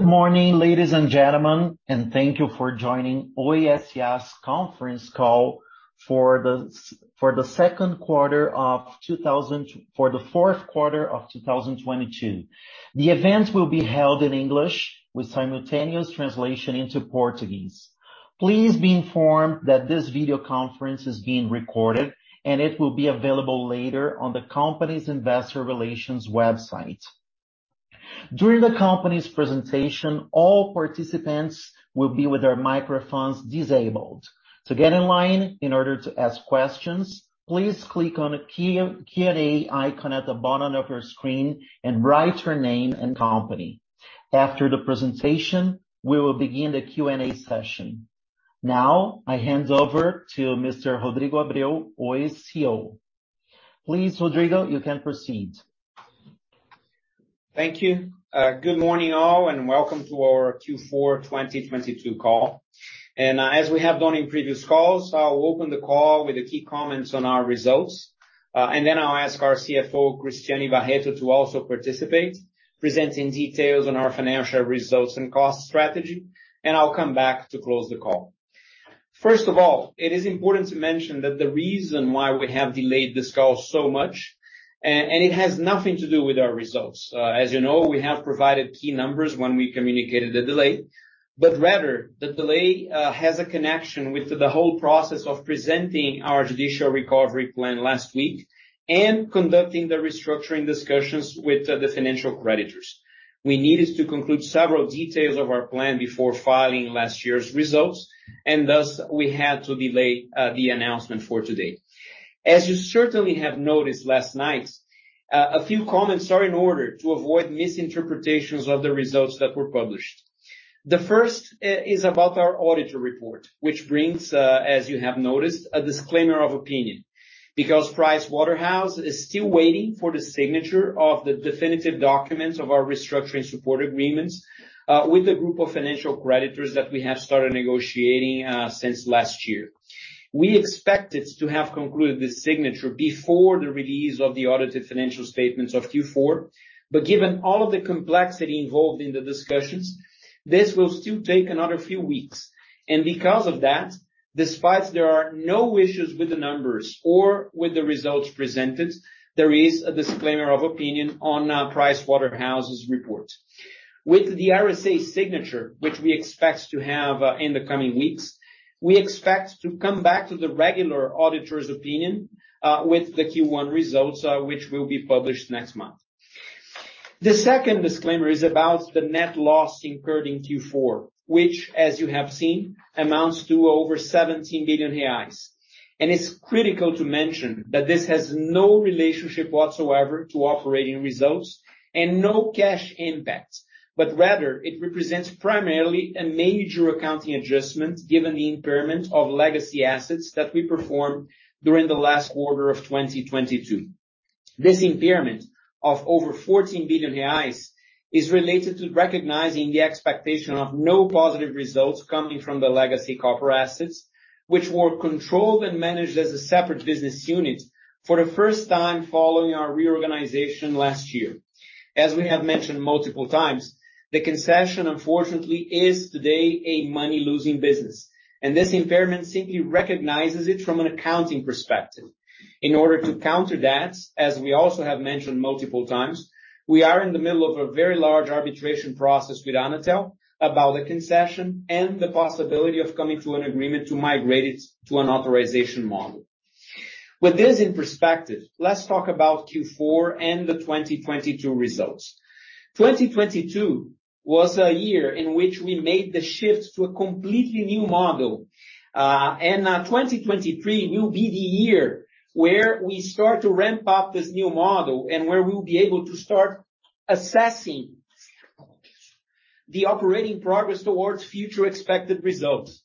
Good morning, ladies and gentlemen. Thank you for joining Oi S.A.'s conference call for the fourth quarter of 2022. The event will be held in English with simultaneous translation into Portuguese. Please be informed that this video conference is being recorded. It will be available later on the company's investor relations website. During the company's presentation, all participants will be with their microphones disabled. To get in line in order to ask questions, please click on the Q&A icon at the bottom of your screen and write your name and company. After the presentation, we will begin the Q&A session. I hand over to Mr. Rodrigo Abreu, Oi's CEO. Rodrigo, you can proceed. Thank you. Good morning, all, and welcome to our Q4 2022 call. As we have done in previous calls, I'll open the call with the key comments on our results, and then I'll ask our CFO Cristiane Barreto to also participate, presenting details on our financial results and cost strategy, and I'll come back to close the call. First of all, it is important to mention that the reason why we have delayed this call so much, and it has nothing to do with our results, as you know, we have provided key numbers when we communicated the delay, but rather the delay has a connection with the whole process of presenting our judicial recovery plan last week and conducting the restructuring discussions with the financial creditors. We needed to conclude several details of our plan before filing last year's results, and thus, we had to delay the announcement for today. As you certainly have noticed last night, a few comments are in order to avoid misinterpretations of the results that were published. The first is about our auditor report, which brings, as you have noticed, a disclaimer of opinion because Pricewaterhouse is still waiting for the signature of the definitive documents of our restructuring support agreements with a group of financial creditors that we have started negotiating since last year. We expected to have concluded this signature before the release of the audited financial statements of Q4, but given all of the complexity involved in the discussions, this will still take another few weeks. Because of that, despite there are no issues with the numbers or with the results presented, there is a disclaimer of opinion on PricewaterhouseCoopers's report. With the RSA signature, which we expect to have in the coming weeks, we expect to come back to the regular auditor's opinion with the Q1 results, which will be published next month. The second disclaimer is about the net loss incurred in Q4, which as you have seen, amounts to over 17 billion reais. It is critical to mention that this has no relationship whatsoever to operating results and no cash impact, but rather it represents primarily a major accounting adjustment given the impairment of legacy assets that we performed during the last quarter of 2022. This impairment of over 14 billion reais is related to recognizing the expectation of no positive results coming from the legacy copper assets, which were controlled and managed as a separate business unit for the first time following our reorganization last year. As we have mentioned multiple times, the concession, unfortunately, is today a money-losing business, and this impairment simply recognizes it from an accounting perspective. In order to counter that, as we also have mentioned multiple times, we are in the middle of a very large arbitration process with Anatel about the concession and the possibility of coming to an agreement to migrate it to an authorization model. With this in perspective, let's talk about Q4 and the 2022 results. 2022 was a year in which we made the shift to a completely new model. 2023 will be the year where we start to ramp up this new model and where we'll be able to start assessing the operating progress towards future expected results.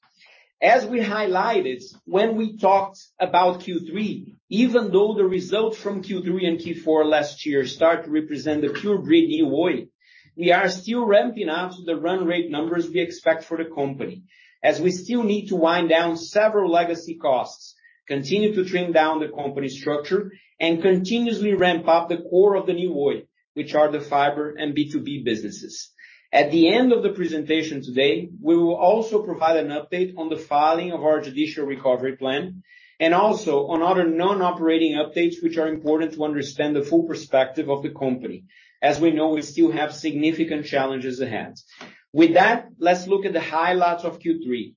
As we highlighted when we talked about Q3, even though the results from Q3 and Q4 last year start to represent the pure breed new Oi, we are still ramping up to the run rate numbers we expect for the company, as we still need to wind down several legacy costs, continue to trim down the company structure, and continuously ramp up the core of the new Oi, which are the fiber and B2B businesses. At the end of the presentation today, we will also provide an update on the filing of our judicial recovery plan and also on other non-operating updates, which are important to understand the full perspective of the company. As we know, we still have significant challenges ahead. With that, let's look at the highlights of Q3.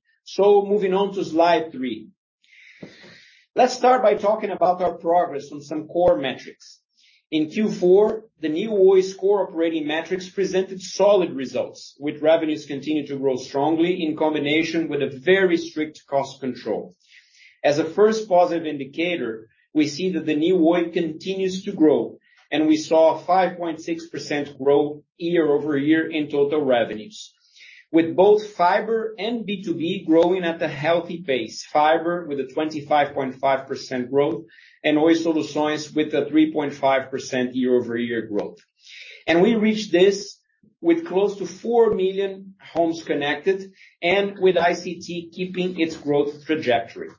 Moving on to Slide 3. Let's start by talking about our progress on some core metrics. In Q4, the Nova Oi's core operating metrics presented solid results, with revenues continuing to grow strongly in combination with a very strict cost control. As a first positive indicator, we see that the Nova Oi continues to grow, we saw a 5.6% growth year-over-year in total revenues, with both fiber and B2B growing at a healthy pace, fiber with a 25.5% growth and Oi Soluções with a 3.5% year-over-year growth. We reached this with close to 4 million homes connected and with ICT keeping its growth trajectory.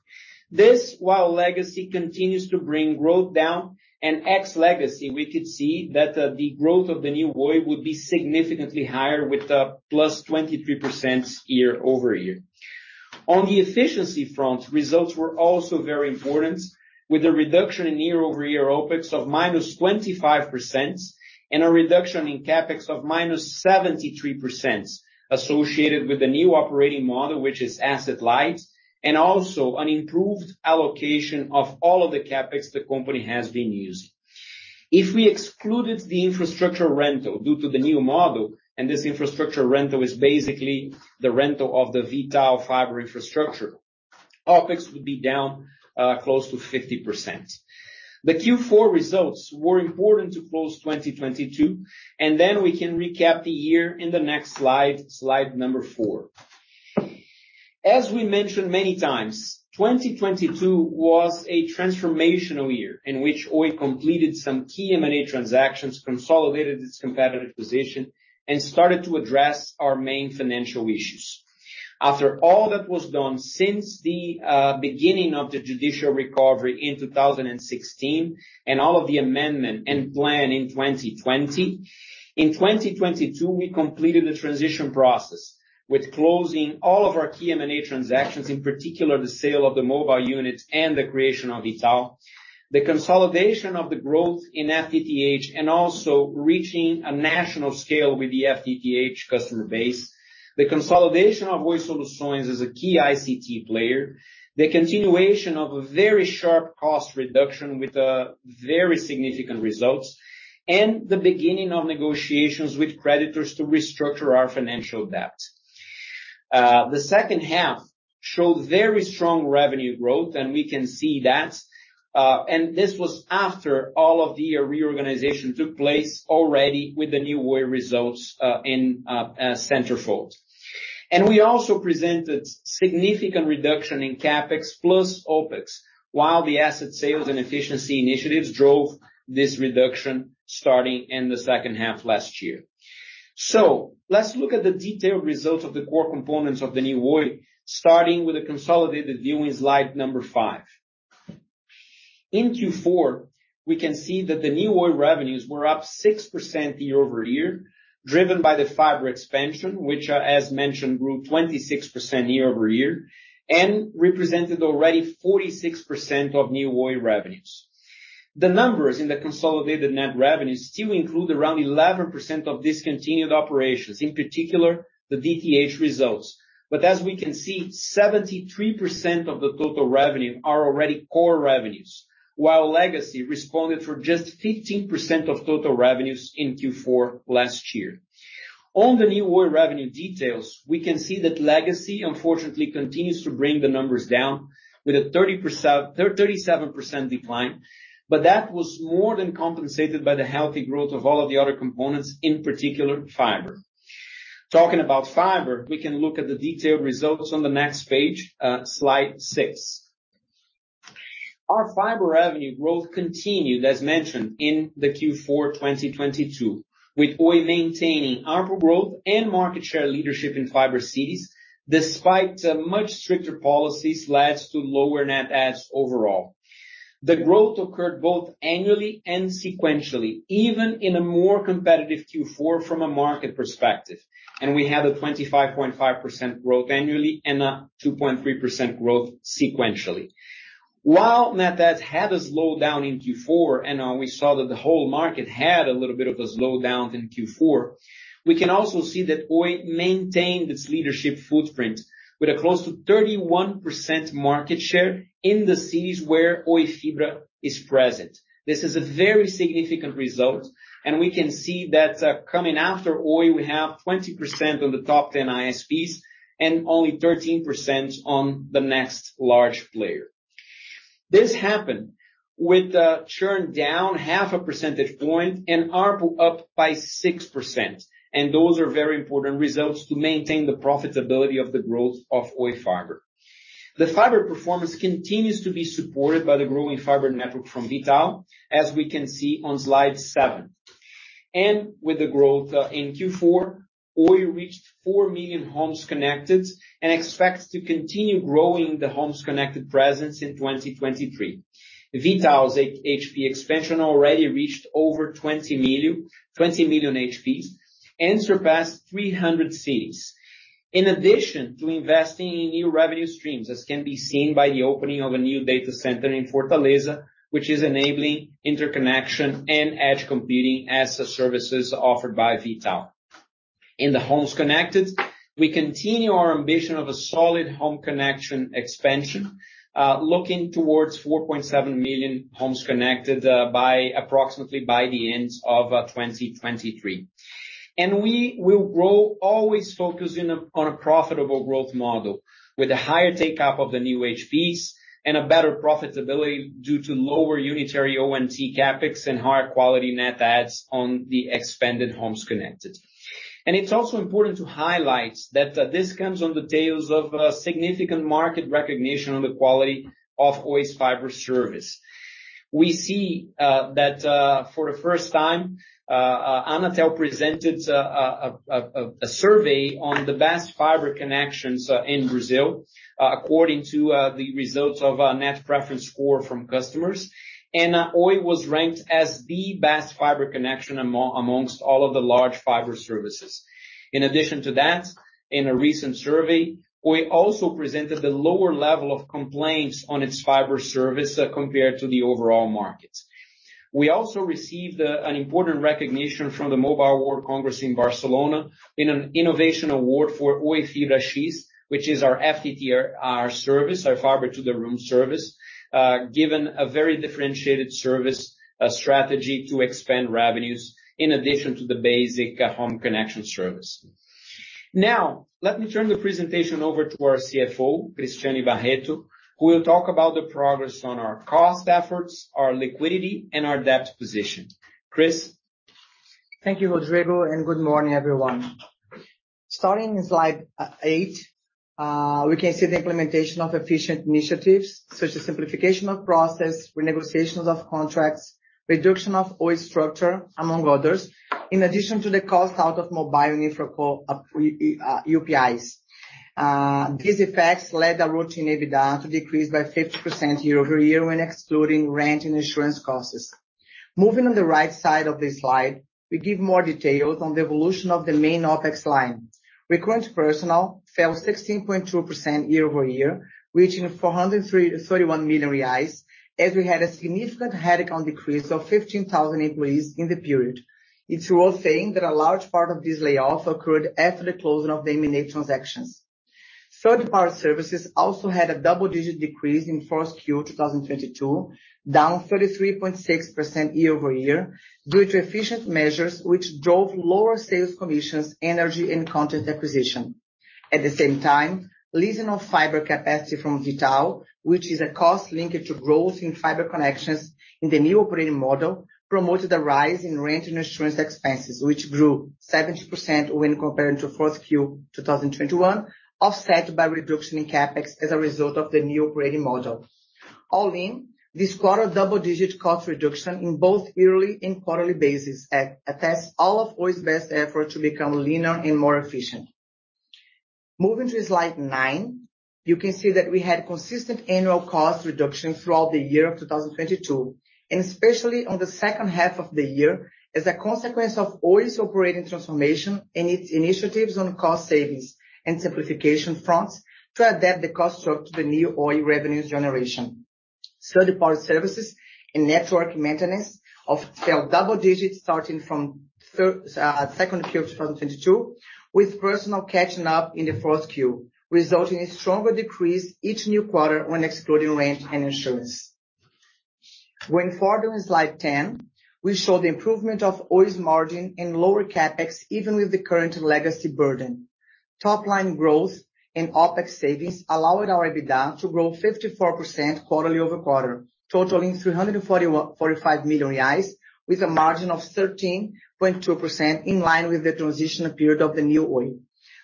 This, while legacy continues to bring growth down and ex legacy, we could see that the growth of the new Oi would be significantly higher with +23% year-over-year. On the efficiency front, results were also very important, with a reduction in year-over-year OpEx of -25% and a reduction in CapEx of -73% associated with the new operating model, which is asset light, and also an improved allocation of all of the CapEx the company has been using. If we excluded the infrastructure rental due to the new model, and this infrastructure rental is basically the rental of the V.tal fiber infrastructure, OpEx would be down close to 50%. The Q4 results were important to close 2022. We can recap the year in the next slide number four. As we mentioned many times, 2022 was a transformational year in which Oi completed some key M&A transactions, consolidated its competitive position, and started to address our main financial issues. After all that was done since the beginning of the judicial recovery in 2016 and all of the amendment and plan in 2020, in 2022, we completed the transition process with closing all of our key M&A transactions, in particular the sale of the mobile units and the creation of V.tal. The consolidation of the growth in FTTH and also reaching a national scale with the FTTH customer base. The consolidation of Oi Soluções as a key ICT player. The continuation of a very sharp cost reduction with very significant results, and the beginning of negotiations with creditors to restructure our financial debt. The second half showed very strong revenue growth, and we can see that, and this was after all of the reorganization took place already with the new Oi results in centerfold. We also presented significant reduction in CapEx plus OpEx, while the asset sales and efficiency initiatives drove this reduction starting in the second half last year. Let's look at the detailed results of the core components of the new Oi, starting with a consolidated view in slide number five. In Q4, we can see that the new Oi revenues were up 6% year-over-year, driven by the fiber expansion, which as mentioned, grew 26% year-over-year and represented already 46% of new Oi revenues. The numbers in the consolidated net revenues still include around 11% of discontinued operations, in particular the DTH results. As we can see, 73% of the total revenue are already core revenues, while legacy responded for just 15% of total revenues in Q4 last year. On the Nova Oi revenue details, we can see that legacy unfortunately continues to bring the numbers down with a 37% decline, but that was more than compensated by the healthy growth of all of the other components, in particular, fiber. Talking about fiber, we can look at the detailed results on the next page, Slide 6. Our fiber revenue growth continued, as mentioned, in the Q4 2022, with Oi maintaining ARPU growth and market share leadership in fiber cities, despite much stricter policies led to lower net adds overall. The growth occurred both annually and sequentially, even in a more competitive Q4 from a market perspective, we had a 25.5% growth annually and a 2.3% growth sequentially. While net adds had a slowdown in Q4, we saw that the whole market had a little bit of a slowdown in Q4, we can also see that Oi maintained its leadership footprint with a close to 31% market share in the cities where Oi Fibra is present. This is a very significant result, we can see that coming after Oi, we have 20% of the top 10 ISPs and only 13% on the next large player. This happened with churn down half a percentage point and ARPU up by 6%. Those are very important results to maintain the profitability of the growth of Oi Fibra. The fiber performance continues to be supported by the growing fiber network from V.tal, as we can see on Slide 7. With the growth in Q4, Oi reached 4 million homes connected and expects to continue growing the homes connected presence in 2023. V.tal's HP expansion already reached over 20 million HPs and surpassed 300 cities. In addition to investing in new revenue streams, as can be seen by the opening of a new data center in Fortaleza, which is enabling interconnection and edge computing as the services offered by V.tal. In the homes connected, we continue our ambition of a solid home connection expansion, looking towards 4.7 million homes connected by approximately the end of 2023. We will grow always focusing on a profitable growth model with a higher take-up of the new HPs and a better profitability due to lower unitary ONT CapEx and higher quality net adds on the expanded homes connected. It's also important to highlight that this comes on the tails of a significant market recognition on the quality of Oi's fiber service. We see that for the first time Anatel presented a survey on the best fiber connections in Brazil according to the results of our net preference score from customers. Oi was ranked as the best fiber connection amongst all of the large fiber services. In addition to that, in a recent survey, Oi also presented the lower level of complaints on its fiber service compared to the overall markets. We also received, an important recognition from the Mobile World Congress in Barcelona in an innovation award for Oi Fibra X, which is our FTTR service, our Fiber to the Room service, given a very differentiated service, strategy to expand revenues in addition to the basic, home connection service. Let me turn the presentation over to our CFO, Cristiane Barreto, who will talk about the progress on our cost efforts, our liquidity, and our debt position. Chris. Thank you, Rodrigo, and good morning, everyone. Starting in Slide 8, we can see the implementation of efficient initiatives such as simplification of process, renegotiations of contracts, reduction of Oi structure, among others. In addition to the cost out of mobile and fixed UPIs. These effects led our routine EBITDA to decrease by 50% year-over-year when excluding rent and insurance costs. Moving on the right side of this slide, we give more details on the evolution of the main OpEx line. Recurrent personnel fell 16.2% year-over-year, reaching 431 million reais, as we had a significant headcount decrease of 15,000 employees in the period. It's worth saying that a large part of this layoff occurred after the closing of the M&A transactions. Third-party services also had a double-digit decrease in 1Q 2022, down 33.6% year-over-year due to efficient measures, which drove lower sales commissions, energy, and content acquisition. At the same time, leasing of fiber capacity from V.tal, which is a cost linked to growth in fiber connections in the new operating model, promoted a rise in rent and insurance expenses, which grew 70% when compared to 4Q 2021, offset by reduction in CapEx as a result of the new operating model. All in, this quarter double-digit cost reduction in both yearly and quarterly basis attests all of Oi's best effort to become leaner and more efficient. Moving to Slide 9, you can see that we had consistent annual cost reduction throughout the year of 2022. Especially on the second half of the year, as a consequence of Oi's operating transformation and its initiatives on cost savings and simplification fronts to adapt the cost to the new Oi revenues generation. Third-party services and network maintenance fell double digits starting from 2Q of 2022, with personnel catching up in the 4Q, resulting in stronger decrease each new quarter when excluding rent and insurance. Going further in Slide 10, we show the improvement of Oi's margin and lower CapEx even with the current legacy burden. Top line growth and OpEx savings allowed our EBITDA to grow 54% quarter-over-quarter, totaling 345 million reais, with a margin of 13.2% in line with the transition period of the Nova Oi.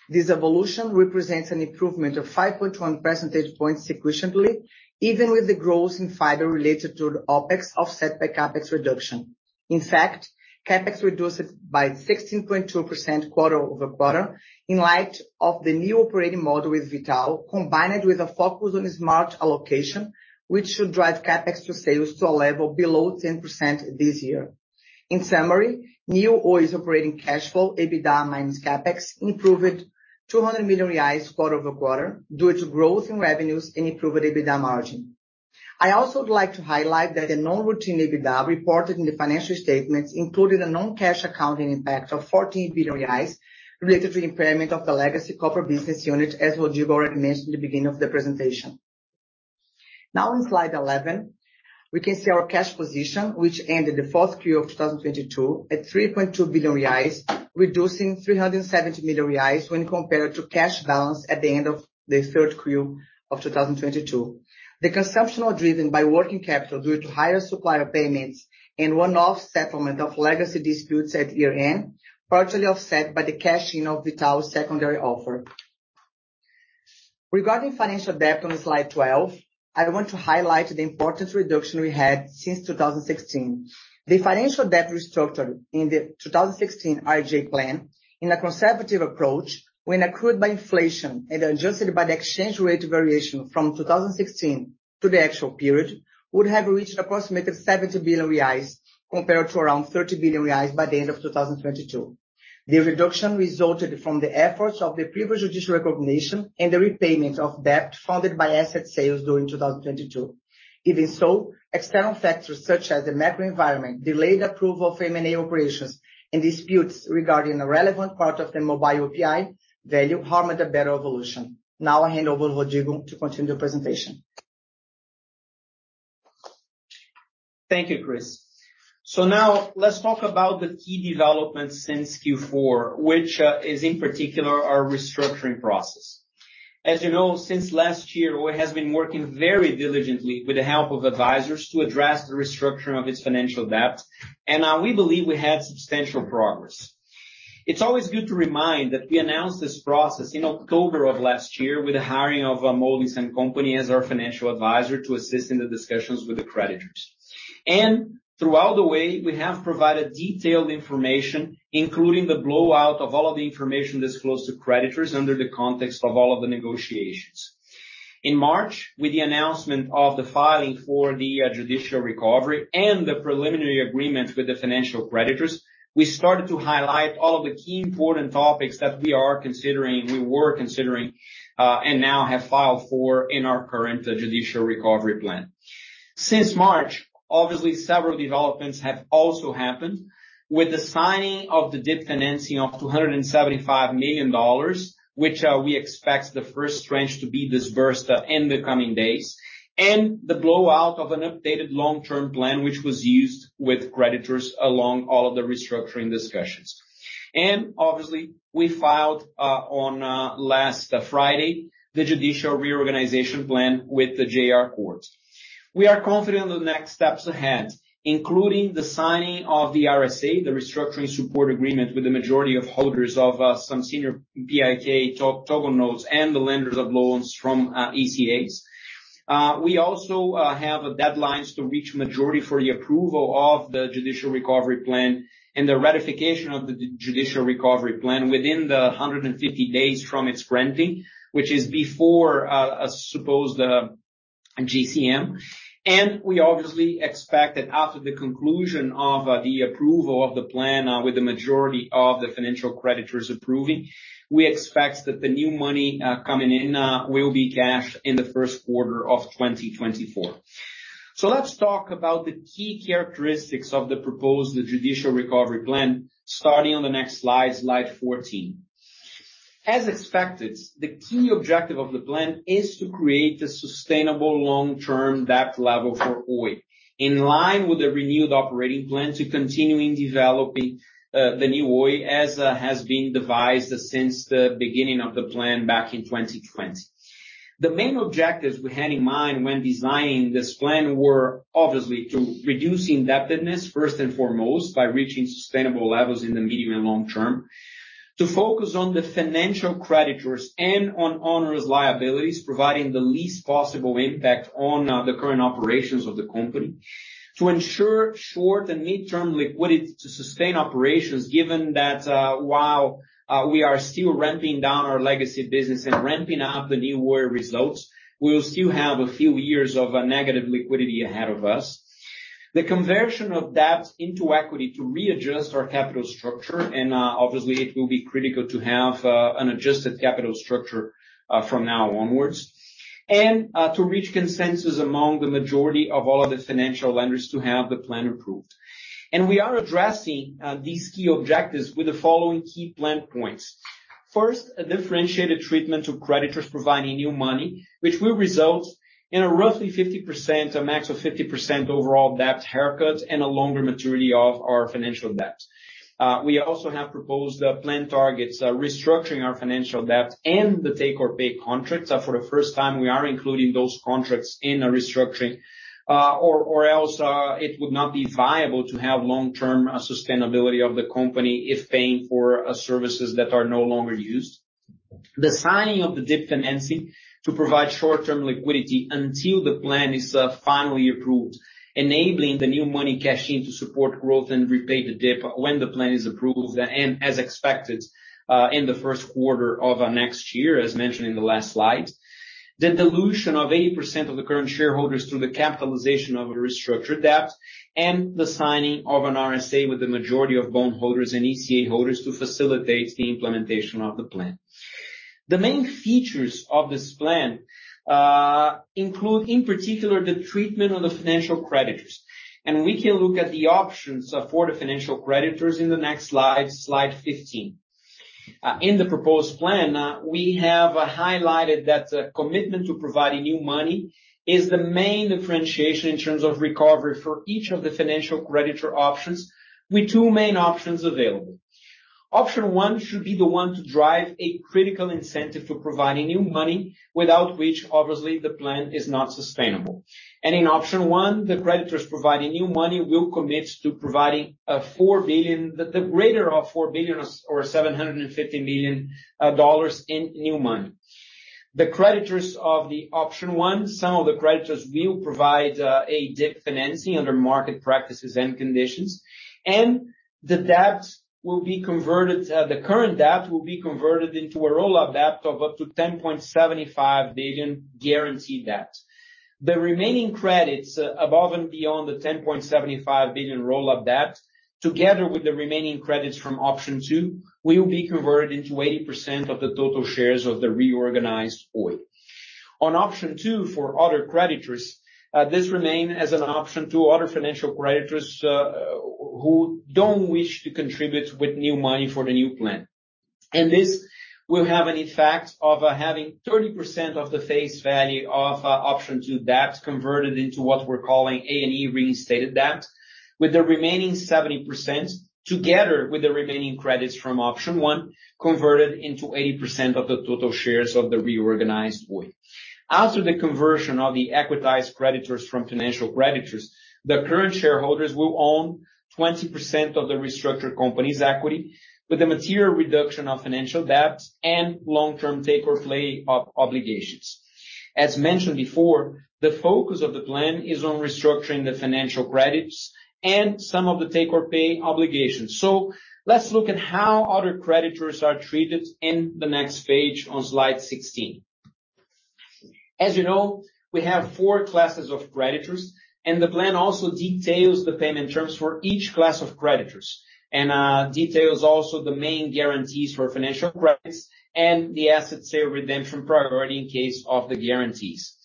This evolution represents an improvement of 5.1 percentage points sequentially, even with the growth in fiber related to the OpEx offset by CapEx reduction. In fact, CapEx reduced it by 16.2% quarter-over-quarter in light of the new operating model with V.tal, combined with a focus on smart allocation, which should drive CapEx to sales to a level below 10% this year. In summary, Nova Oi's operating cash flow, EBITDA minus CapEx, improved 200 million reais quarter-over-quarter due to growth in revenues and improved EBITDA margin. I also would like to highlight that the non-routine EBITDA reported in the financial statements included a non-cash accounting impact of 14 billion reais related to the impairment of the legacy copper business unit, as Rodrigo already mentioned at the beginning of the presentation. On Slide 11, we can see our cash position, which ended the 4Q of 2022 at 3.2 billion reais, reducing 370 million reais when compared to cash balance at the end of the 3Q of 2022. The consumption was driven by working capital due to higher supplier payments and one-off settlement of legacy disputes at year-end, partially offset by the cashing of V.tal's secondary offer. Regarding financial debt on Slide 12, I want to highlight the important reduction we had since 2016. The financial debt restructured in the 2016 RGA plan in a conservative approach when accrued by inflation and adjusted by the exchange rate variation from 2016 to the actual period, would have reached approximately 70 billion reais compared to around 30 billion reais by the end of 2022. The reduction resulted from the efforts of the previous Judicial Reorganization and the repayment of debt funded by asset sales during 2022. Even so, external factors such as the macro environment, delayed approval of M&A operations, and disputes regarding a relevant part of the mobile APA value harmed a better evolution. I hand over Rodrigo to continue the presentation. Thank you, Chris. Now let's talk about the key developments since Q4, which is in particular our restructuring process. As you know, since last year, Oi has been working very diligently with the help of advisors to address the restructuring of its financial debt, and we believe we had substantial progress. It's always good to remind that we announced this process in October of last year with the hiring of Moelis & Company as our financial advisor to assist in the discussions with the creditors. Throughout the way, we have provided detailed information, including the blowout of all of the information disclosed to creditors under the context of all of the negotiations. In March, with the announcement of the filing for the judicial recovery and the preliminary agreements with the financial creditors, we started to highlight all of the key important topics that we were considering and now have filed for in our current judicial recovery plan. Since March, obviously several developments have also happened with the signing of the DIP financing of $275 million, which we expect the first tranche to be disbursed in the coming days, and the blowout of an updated long-term plan which was used with creditors along all of the restructuring discussions. Obviously, we filed on last Friday, the judicial reorganization plan with the JR courts. We are confident on the next steps ahead, including the signing of the RSA, the Restructuring Support Agreement, with the majority of holders of some senior PIK Toggle notes and the lenders of loans from ECAs. We also have deadlines to reach majority for the approval of the judicial recovery plan and the ratification of the judicial recovery plan within the 150 days from its granting, which is before a supposed GCM. We obviously expect that after the conclusion of the approval of the plan, with the majority of the financial creditors approving, we expect that the new money coming in will be cashed in the first quarter of 2024. Let's talk about the key characteristics of the proposed judicial recovery plan, starting on the next, Slide 14. As expected, the key objective of the plan is to create a sustainable long-term debt level for Oi, in line with the renewed operating plan to continuing developing the Nova Oi as has been devised since the beginning of the plan back in 2020. The main objectives we had in mind when designing this plan were obviously to reducing indebtedness first and foremost by reaching sustainable levels in the medium and long term. To focus on the financial creditors and on onerous liabilities, providing the least possible impact on the current operations of the company. To ensure short and mid-term liquidity to sustain operations, given that while we are still ramping down our legacy business and ramping up the Nova Oi results, we will still have a few years of a negative liquidity ahead of us. The conversion of debt into equity to readjust our capital structure. Obviously it will be critical to have an adjusted capital structure from now onwards. To reach consensus among the majority of all of the financial lenders to have the plan approved. We are addressing these key objectives with the following key plan points. First, a differentiated treatment to creditors providing new money, which will result in a roughly 50%, a max of 50% overall debt haircut and a longer maturity of our financial debt. We also have proposed plan targets, restructuring our financial debt and the take or pay contracts. For the first time, we are including those contracts in a restructuring, or else it would not be viable to have long-term sustainability of the company if paying for services that are no longer used. The signing of the DIP financing to provide short-term liquidity until the plan is finally approved, enabling the new money cash in to support growth and repay the DIP when the plan is approved and as expected in the first quarter of next year, as mentioned in the last slide. The dilution of 80% of the current shareholders through the capitalization of the restructured debt and the signing of an RSA with the majority of bondholders and ECA holders to facilitate the implementation of the plan. The main features of this plan include, in particular, the treatment of the financial creditors. We can look at the options for the financial creditors in the next, Slide 15. In the proposed plan, we have highlighted that commitment to providing new money is the main differentiation in terms of recovery for each of the financial creditor options, with two main options available. Option one should be the one to drive a critical incentive for providing new money, without which, obviously, the plan is not sustainable. In option one, the creditors providing new money will commit to providing, the greater of $4 billion or $750 million in new money. The creditors of the option one, some of the creditors will provide a DIP financing under market practices and conditions. The debt will be converted, the current debt will be converted into a roll-up debt of up to 10.75 billion guaranteed debt. The remaining credits, above and beyond the 10.75 billion roll-up debt, together with the remaining credits from Option 2, will be converted into 80% of the total shares of the reorganized Oi. On Option 2 for other creditors, this remain as an option to other financial creditors, who don't wish to contribute with new money for the new plan. This will have an effect of having 30% of the face value of Option 2 debt converted into what we're calling A&E reinstated debt, with the remaining 70%, together with the remaining credits from Option 1, converted into 80% of the total shares of the reorganized Oi. After the conversion of the equitized creditors from financial creditors, the current shareholders will own 20% of the restructured company's equity with a material reduction of financial debt and long-term take-or-pay obligations. As mentioned before, the focus of the plan is on restructuring the financial credits and some of the take-or-pay obligations. Let's look at how other creditors are treated in the next page on Slide 16. As you know, we have four classes of creditors, and the plan also details the payment terms for each class of creditors and details also the main guarantees for financial credits and the asset sale redemption priority in case of the guarantees.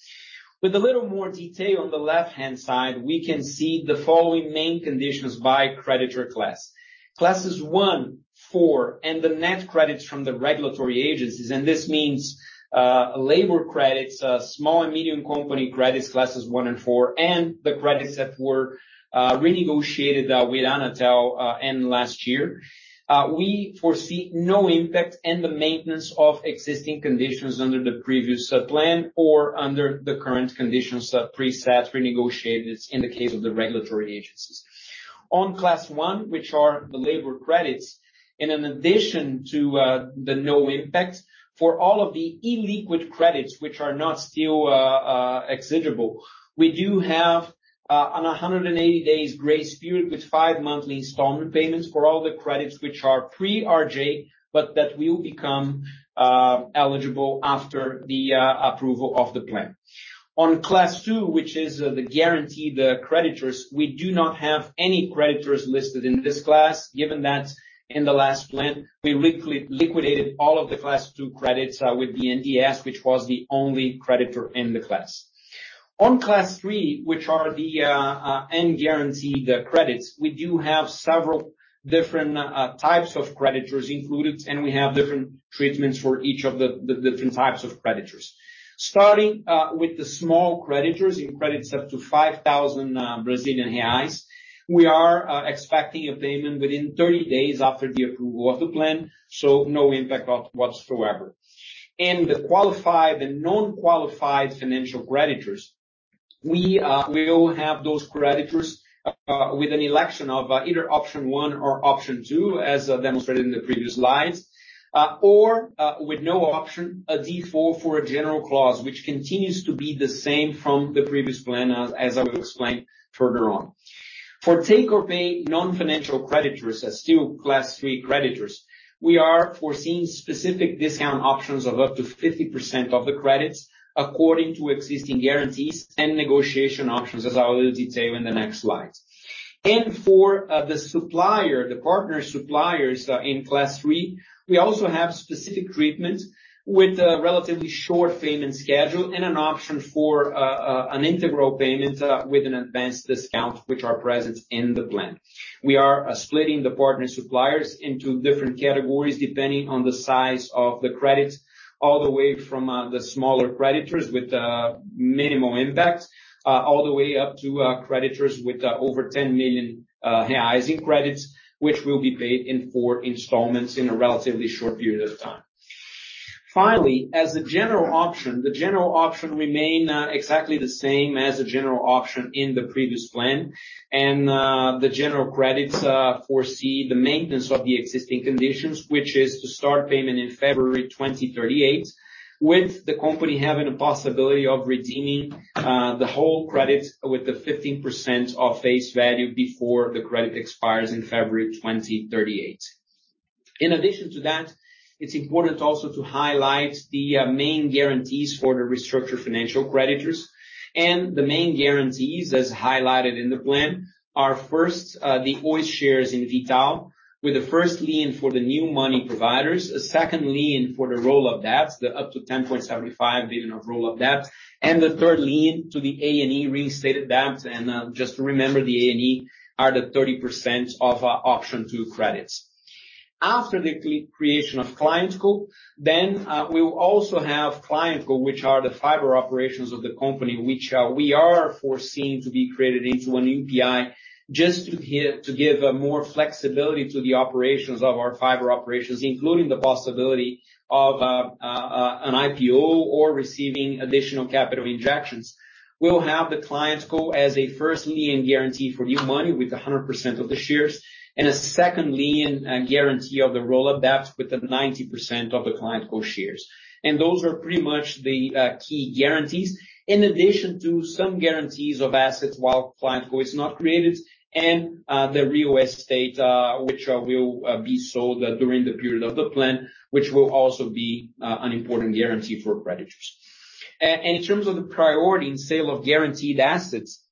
With a little more detail on the left-hand side, we can see the following main conditions by creditor class. Classes 1, 4, and the net credits from the regulatory agencies, and this means labor credits, small and medium company credits, Classes 1 and 4, and the credits that were renegotiated with Anatel in last year. We foresee no impact in the maintenance of existing conditions under the previous plan or under the current conditions preset renegotiated in the case of the regulatory agencies. On Class 1, which are the labor credits, and in addition to the no impact for all of the illiquid credits which are not still exigent, we do have on a 180-day grace period with five monthly installment payments for all the credits which are pre-RJ, but that will become eligible after the approval of the plan. On Class 2, which is the guaranteed creditors, we do not have any creditors listed in this class, given that in the last plan, we liquidated all of the Class 2 credits with the BNDES, which was the only creditor in the class. On Class 3, which are the unguaranteed credits, we do have several different types of creditors included, and we have different treatments for each of the different types of creditors. Starting with the small creditors in credits up to 5,000 Brazilian reais, we are expecting a payment within 30 days after the approval of the plan. No impact whatsoever. In the qualified and non-qualified financial creditors, we will have those creditors with an election of either Option 1 or Option 2, as demonstrated in the previous slides, or with no option, a default for a general clause, which continues to be the same from the previous plan, as I will explain further on. For take-or-pay non-financial creditors as still Class 3 creditors, we are foreseeing specific discount options of up to 50% of the credits according to existing guarantees and negotiation options, as I will detail in the next slides. For the supplier, the partner suppliers, in Class 3, we also have specific treatment with a relatively short payment schedule and an option for an integral payment with an advanced discount which are present in the plan. We are splitting the partner suppliers into different categories depending on the size of the credits, all the way from the smaller creditors with minimal impact, all the way up to creditors with over 10 million reais in credits, which will be paid in four installments in a relatively short period of time. As a general option, the general option remain exactly the same as the general option in the previous plan. The general credits foresee the maintenance of the existing conditions, which is to start payment in February 2038, with the company having a possibility of redeeming the whole credit with the 15% of face value before the credit expires in February 2038. In addition to that, it's important also to highlight the main guarantees for the restructured financial creditors. The main guarantees, as highlighted in the plan, are first, the Oi shares in V.tal, with the first lien for the new money providers, a second lien for the roll-up debts, the up to 10.75 billion of roll-up debts, and the third lien to the A&E reinstated debts. Just to remember, the A&E are the 30% of option two credits. After the creation of ClientCo, then, we will also have ClientCo, which are the fiber operations of the company, which, we are foreseeing to be created into UPI, just to give more flexibility to the operations of our fiber operations, including the possibility of an IPO or receiving additional capital injections. We'll have the ClientCo as a first lien guarantee for new money with 100% of the shares and a second lien guarantee of the roll-up debts with 90% of the ClientCo shares. Those are pretty much the key guarantees. In addition to some guarantees of assets while ClientCo is not created and the Rio state, which will be sold during the period of the plan, which will also be an important guarantee for creditors. In terms of the priority in sale of guaranteed assets.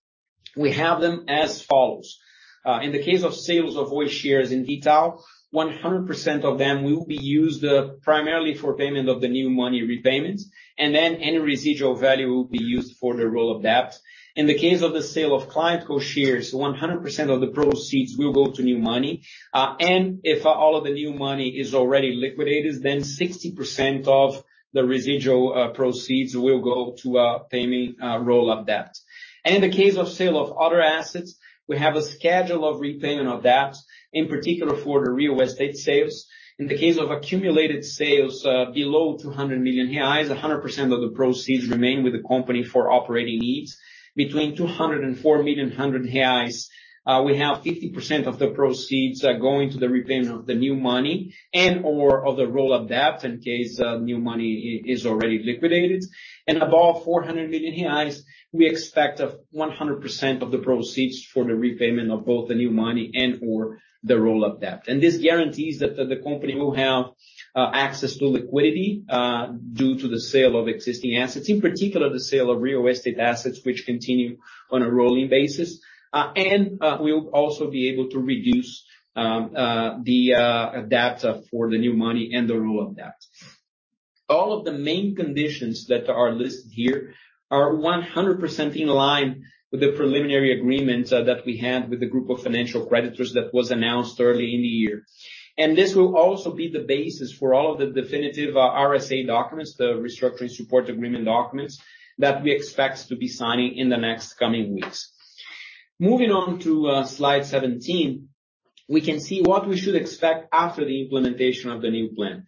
We have them as follows. In the case of sales of Oi shares in DTH, 100% of them will be used primarily for payment of the new money repayments, and then any residual value will be used for the roll of debt. In the case of the sale of Claro shares, 100% of the proceeds will go to new money. If all of the new money is already liquidated, then 60% of the residual proceeds will go to paying roll of debt. In the case of sale of other assets, we have a schedule of repayment of debt, in particular for the real estate sales. In the case of accumulated sales, below 200 million reais, 100% of the proceeds remain with the company for operating needs. Between 200 million reais and 4000 million reais, we have 50% of the proceeds going to the repayment of the new money and/or of the roll of debt in case of new money is already liquidated. Above 400 million reais, we expect of 100% of the proceeds for the repayment of both the new money and/or the roll of debt. This guarantees that the company will have access to liquidity due to the sale of existing assets, in particular the sale of real estate assets, which continue on a rolling basis. We'll also be able to reduce the debt for the new money and the roll of debt. All of the main conditions that are listed here are 100% in line with the preliminary agreement that we had with a group of financial creditors that was announced early in the year. This will also be the basis for all of these definitive RSA documents, the Restructuring Support Agreement documents, that we expect to be signing in the next coming weeks. Moving on to Slide 17, we can see what we should expect after the implementation of the new plan.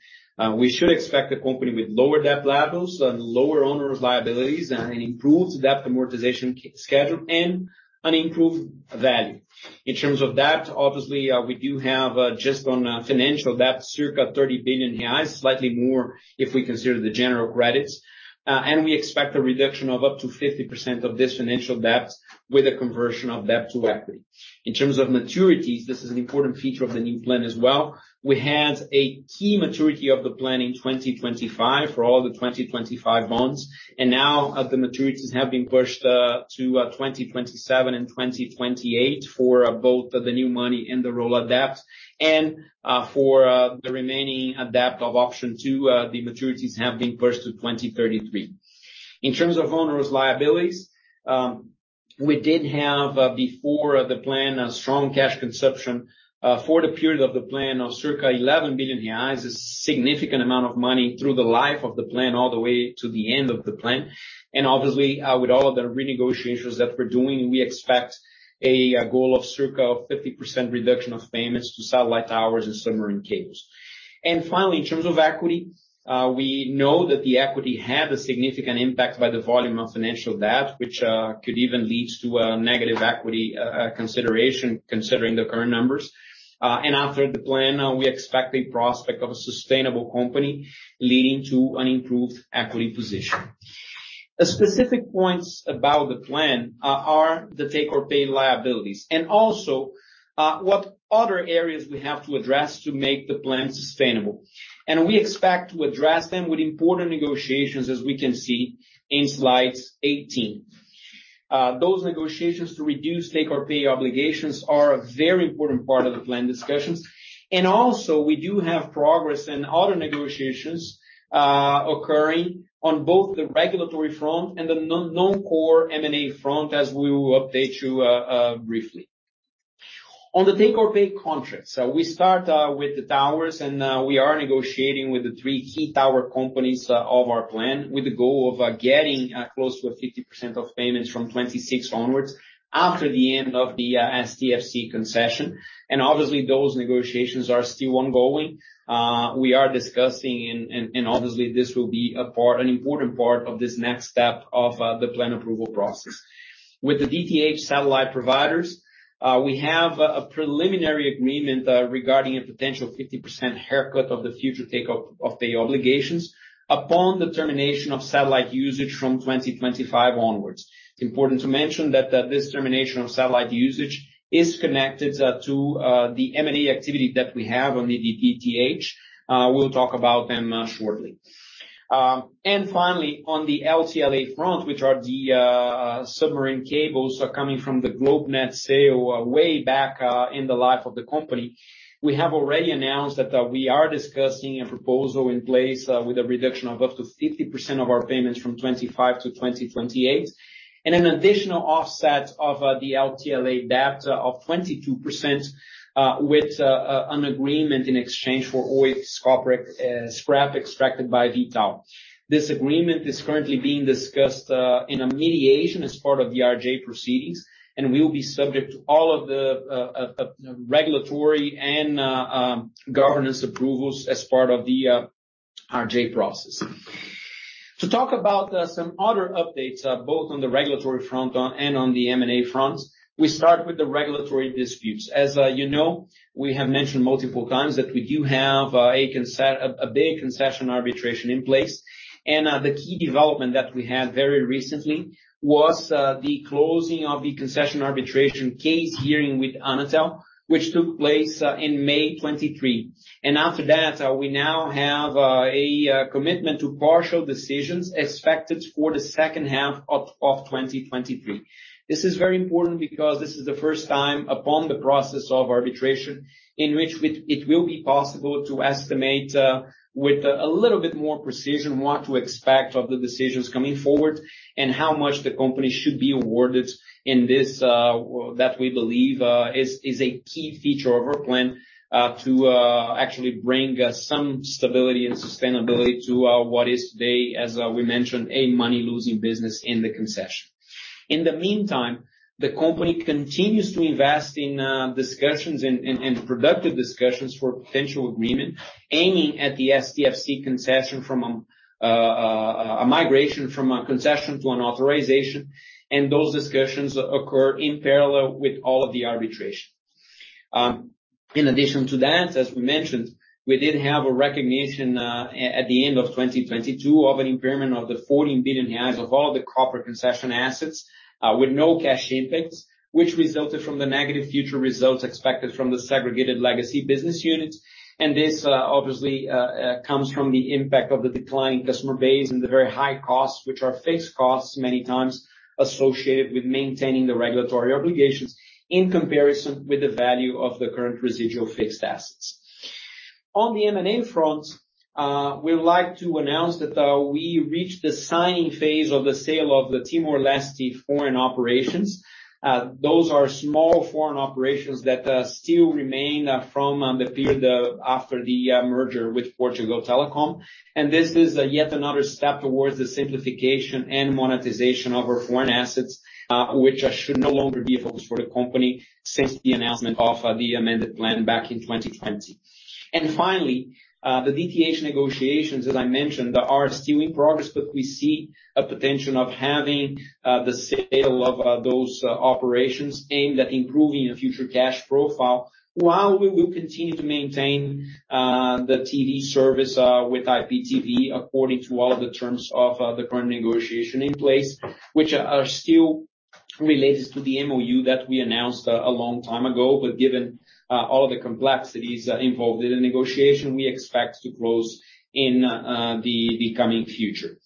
We should expect a company with lower debt levels and lower onerous liabilities and an improved debt amortization schedule and an improved value. In terms of debt, obviously, we do have just on financial debt, circa 30 billion reais, slightly more if we consider the general credits. We expect a reduction of up to 50% of this financial debt with a conversion of debt to equity. In terms of maturities, this is an important feature of the new plan as well. We had a key maturity of the plan in 2025 for all the 2025 bonds. The maturities have been pushed to 2027 and 2028 for both the new money and the roll of debt. For the remaining debt of Option 2, the maturities have been pushed to 2033. In terms of onerous liabilities, we did have before the plan a strong cash consumption for the period of the plan of circa 11 billion reais. A significant amount of money through the life of the plan all the way to the end of the plan. Obviously, with all of the renegotiations that we're doing, we expect a goal of circa 50% reduction of payments to satellite towers and submarine cables. Finally, in terms of equity, we know that the equity had a significant impact by the volume of financial debt, which could even lead to a negative equity consideration, considering the current numbers. After the plan, we expect a prospect of a sustainable company leading to an improved equity position. The specific points about the plan are the take-or-pay liabilities and also, what other areas we have to address to make the plan sustainable. We expect to address them with important negotiations, as we can see in Slide 18. Those negotiations to reduce take-or-pay obligations are a very important part of the plan discussions. We do have progress in other negotiations occurring on both the regulatory front and the non-core M&A front, as we will update you briefly. On the take-or-pay contracts, we start with the towers, we are negotiating with the three key tower companies of our plan with the goal of getting close to a 50% of payments from 2026 onwards after the end of the STFC concession. Obviously, those negotiations are still ongoing. We are discussing and obviously this will be an important part of this next step of the plan approval process. With the DTH satellite providers, we have a preliminary agreement regarding a potential 50% haircut of the future take of pay obligations upon the termination of satellite usage from 2025 onwards. Important to mention that this termination of satellite usage is connected to the M&A activity that we have on the DTH. We'll talk about them shortly. Finally, on the LTLA front, which are the submarine cables coming from the GlobeNet sale way back in the life of the company, we have already announced that we are discussing a proposal in place with a reduction of up to 50% of our payments from 2025 to 2028, and an additional offset of the LTLA debt of 22% with an agreement in exchange for Oi's scrap extracted by V.tal. This agreement is currently being discussed in a mediation as part of the RJ proceedings, and will be subject to all of the regulatory and governance approvals as part of the RJ process. To talk about some other updates, both on the regulatory front and on the M&A fronts, we start with the regulatory disputes. As, you know, we have mentioned multiple times that we do have a big concession arbitration in place. The key development that we had very recently was the closing of the concession arbitration case hearing with Anatel, which took place in May 23. After that, we now have a commitment to partial decisions expected for the second half of 2023. This is very important because this is the first time upon the process of arbitration in which it will be possible to estimate with a little bit more precision what to expect of the decisions coming forward and how much the company should be awarded in this that we believe is a key feature of our plan to actually bring some stability and sustainability to what is today, as we mentioned, a money-losing business in the concession. In the meantime, the company continues to invest in discussions and productive discussions for potential agreement, aiming at the STFC concession from a migration from a concession to an authorization. Those discussions occur in parallel with all of the arbitration. In addition to that, as we mentioned, we did have a recognition at the end of 2022 of an impairment of the 14 billion of all the copper concession assets with no cash impacts, which resulted from the negative future results expected from the segregated legacy business units. This, obviously, comes from the impact of the decline customer base and the very high costs, which are fixed costs many times associated with maintaining the regulatory obligations in comparison with the value of the current residual fixed assets. On the M&A front, we would like to announce that we reached the signing phase of the sale of the Timor-Leste foreign operations. Those are small foreign operations that still remain from the period after the merger with Portugal Telecom. This is yet another step towards the simplification and monetization of our foreign assets, which should no longer be a focus for the company since the announcement of the amended plan back in 2020. Finally, the DTH negotiations, as I mentioned, are still in progress, but we see a potential of having the sale of those operations aimed at improving the future cash profile, while we will continue to maintain the TV service with IPTV according to all the terms of the current negotiation in place. Which are still related to the MoU that we announced a long time ago, but given all of the complexities involved in the negotiation, we expect to close in the coming future.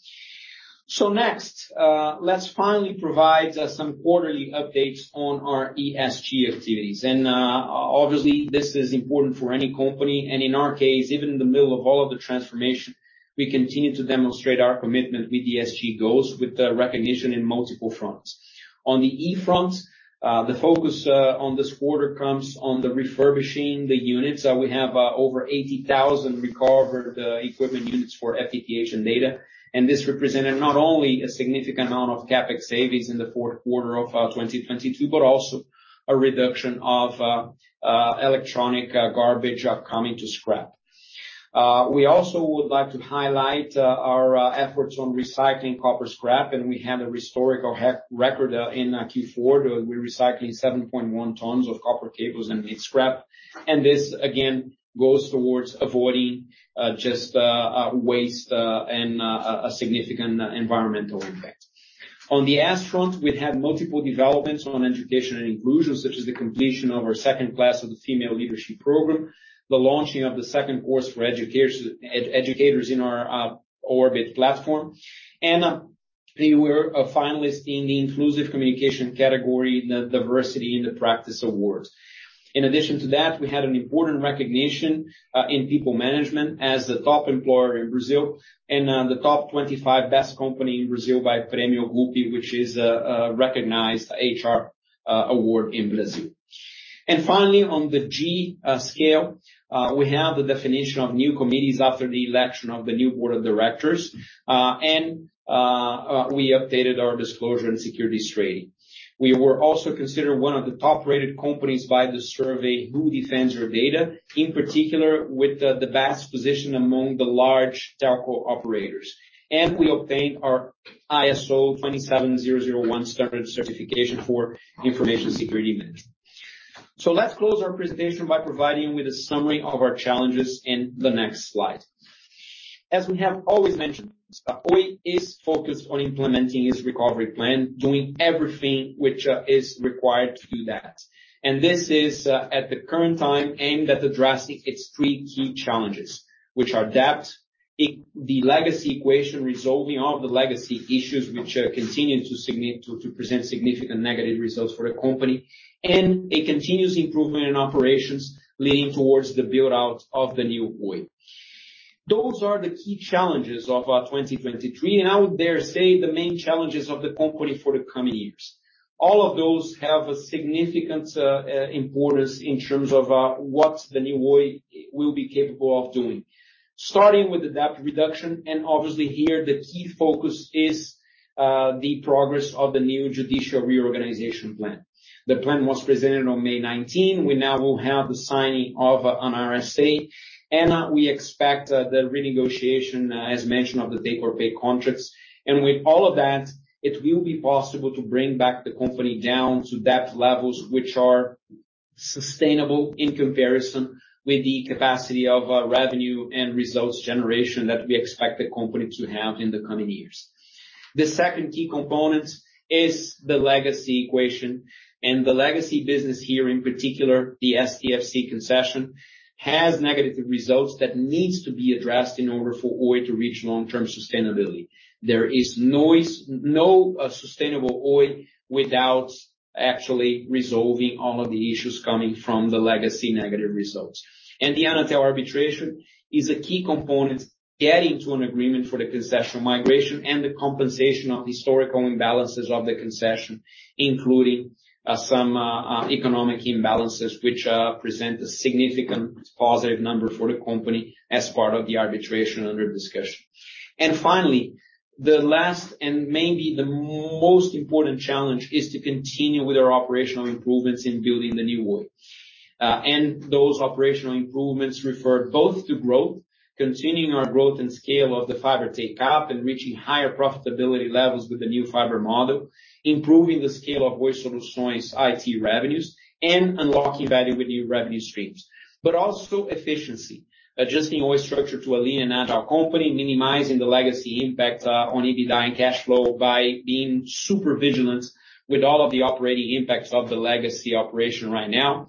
Next, let's finally provide some quarterly updates on our ESG activities. Obviously, this is important for any company, and in our case, even in the middle of all of the transformation, we continue to demonstrate our commitment with ESG goals with the recognition in multiple fronts. On the E front, the focus on this quarter comes on the refurbishing the units. We have over 80,000 recovered equipment units for FTTH and data. This represented not only a significant amount of CapEx savings in the fourth quarter of 2022, but also a reduction of electronic garbage coming to scrap. We also would like to highlight our efforts on recycling copper scrap, and we had a historical record in Q4, we're recycling 7.1 tons of copper cables and scrap. This again, goes towards avoiding just waste and a significant environmental impact. On the S front, we've had multiple developments on education and inclusion, such as the completion of our second class of the female leadership program, the launching of the second course for educators in our Orbit platform. We were a finalist in the inclusive communication category, the diversity in the practice awards. In addition to that, we had an important recognition in people management as the top employer in Brazil and the top 25 best company in Brazil by Prêmio GPTW, which is a recognized HR award in Brazil. Finally, on the G scale, we have the definition of new committees after the election of the new board of directors. We updated our disclosure and securities trading. We were also considered one of the top-rated companies by the survey, Who Defends Your Data, in particular with the best position among the large telco operators. We obtained our ISO 27001 standard certification for information security management. Let's close our presentation by providing with a summary of our challenges in the next slide. As we have always mentioned, Oi is focused on implementing its recovery plan, doing everything which is required to do that. This is at the current time, aimed at addressing its three key challenges, which are debt, the legacy equation, resolving all the legacy issues which continue to present significant negative results for the company, and a continuous improvement in operations leading towards the build-out of the new Oi. Those are the key challenges of 2023, and I would dare say the main challenges of the company for the coming years. All of those have a significant importance in terms of what the new Oi will be capable of doing. Starting with the debt reduction, and obviously here, the key focus is the progress of the new Judicial Reorganization plan. The plan was presented on May 19. We now will have the signing of an RSA, and we expect the renegotiation, as mentioned, of the take-or-pay contracts. And with all of that, it will be possible to bring back the company down to debt levels which are sustainable in comparison with the capacity of revenue and results generation that we expect the company to have in the coming years. The second key component is the legacy equation. The legacy business here, in particular, the STFC concession, has negative results that needs to be addressed in order for Oi to reach long-term sustainability. There is no sustainable Oi without actually resolving all of the issues coming from the legacy negative results. The Anatel arbitration is a key component getting to an agreement for the concessional migration and the compensation of historical imbalances of the concession, including some economic imbalances, which present a significant positive number for the company as part of the arbitration under discussion. Finally, the last, and maybe the most important challenge, is to continue with our operational improvements in building the new Oi. Those operational improvements refer both to growth, continuing our growth and scale of the fiber take-up and reaching higher profitability levels with the new fiber model, improving the scale of Oi Soluções IT revenues, and unlocking value with new revenue streams. Also efficiency. Adjusting Oi's structure to a lean and agile company, minimizing the legacy impact on EBITDA and cash flow by being super vigilant with all of the operating impacts of the legacy operation right now.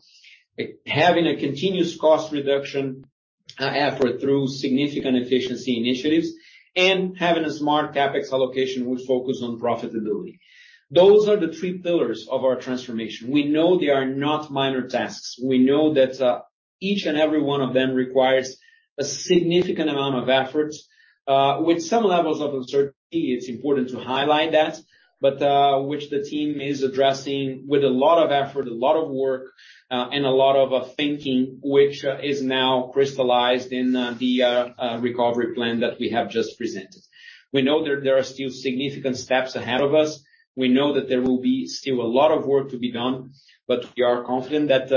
Having a continuous cost reduction effort through significant efficiency initiatives, and having a smart CapEx allocation with focus on profitability. Those are the three pillars of our transformation. We know they are not minor tasks. We know that each and every one of them requires a significant amount of effort, with some levels of uncertainty, it's important to highlight that, which the team is addressing with a lot of effort, a lot of work, and a lot of thinking, which is now crystallized in the recovery plan that we have just presented. We know there are still significant steps ahead of us. We know that there will be still a lot of work to be done, we are confident that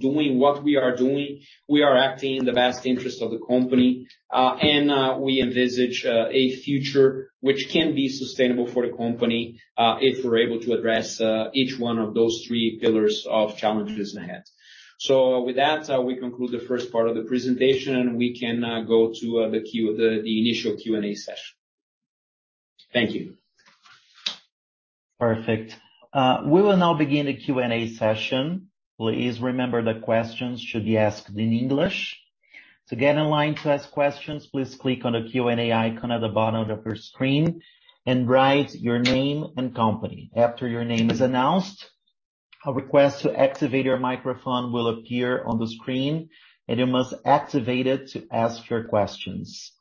doing what we are doing, we are acting in the best interest of the company. We envisage a future which can be sustainable for the company, if we're able to address each one of those three pillars of challenges ahead. With that, we conclude the first part of the presentation, and we can go to the initial Q&A session. Thank you. Perfect. We will now begin the Q&A session. Please remember that questions should be asked in English. To get in line to ask questions, please click on the Q&A icon at the bottom of your screen and write your name and company. After your name is announced, a request to activate your microphone will appear on the screen, and you must activate it to ask your questions.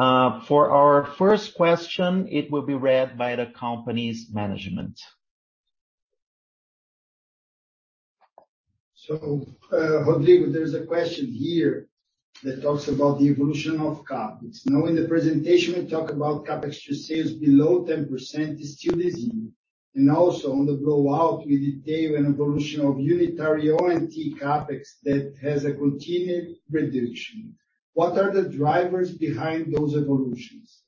For our first question, it will be read by the company's management. Rodrigo, there's a question here that talks about the evolution of CapEx. In the presentation, we talk about CapEx to sales below 10% is still easy. Also on the blowout, we detail an evolution of unitary ONT CapEx that has a continued reduction. What are the drivers behind those evolutions?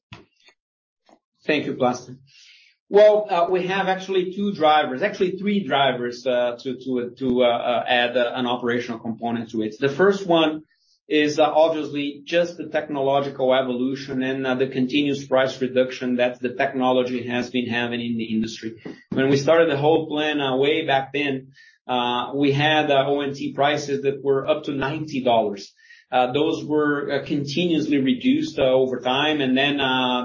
Thank you, Plácido. Well, we have actually two drivers, actually three drivers to add an operational component to it. The first one is obviously just the technological evolution and the continuous price reduction that the technology has been having in the industry. When we started the whole plan way back then, we had ONT prices that were up to $90. Those were continuously reduced over time, and then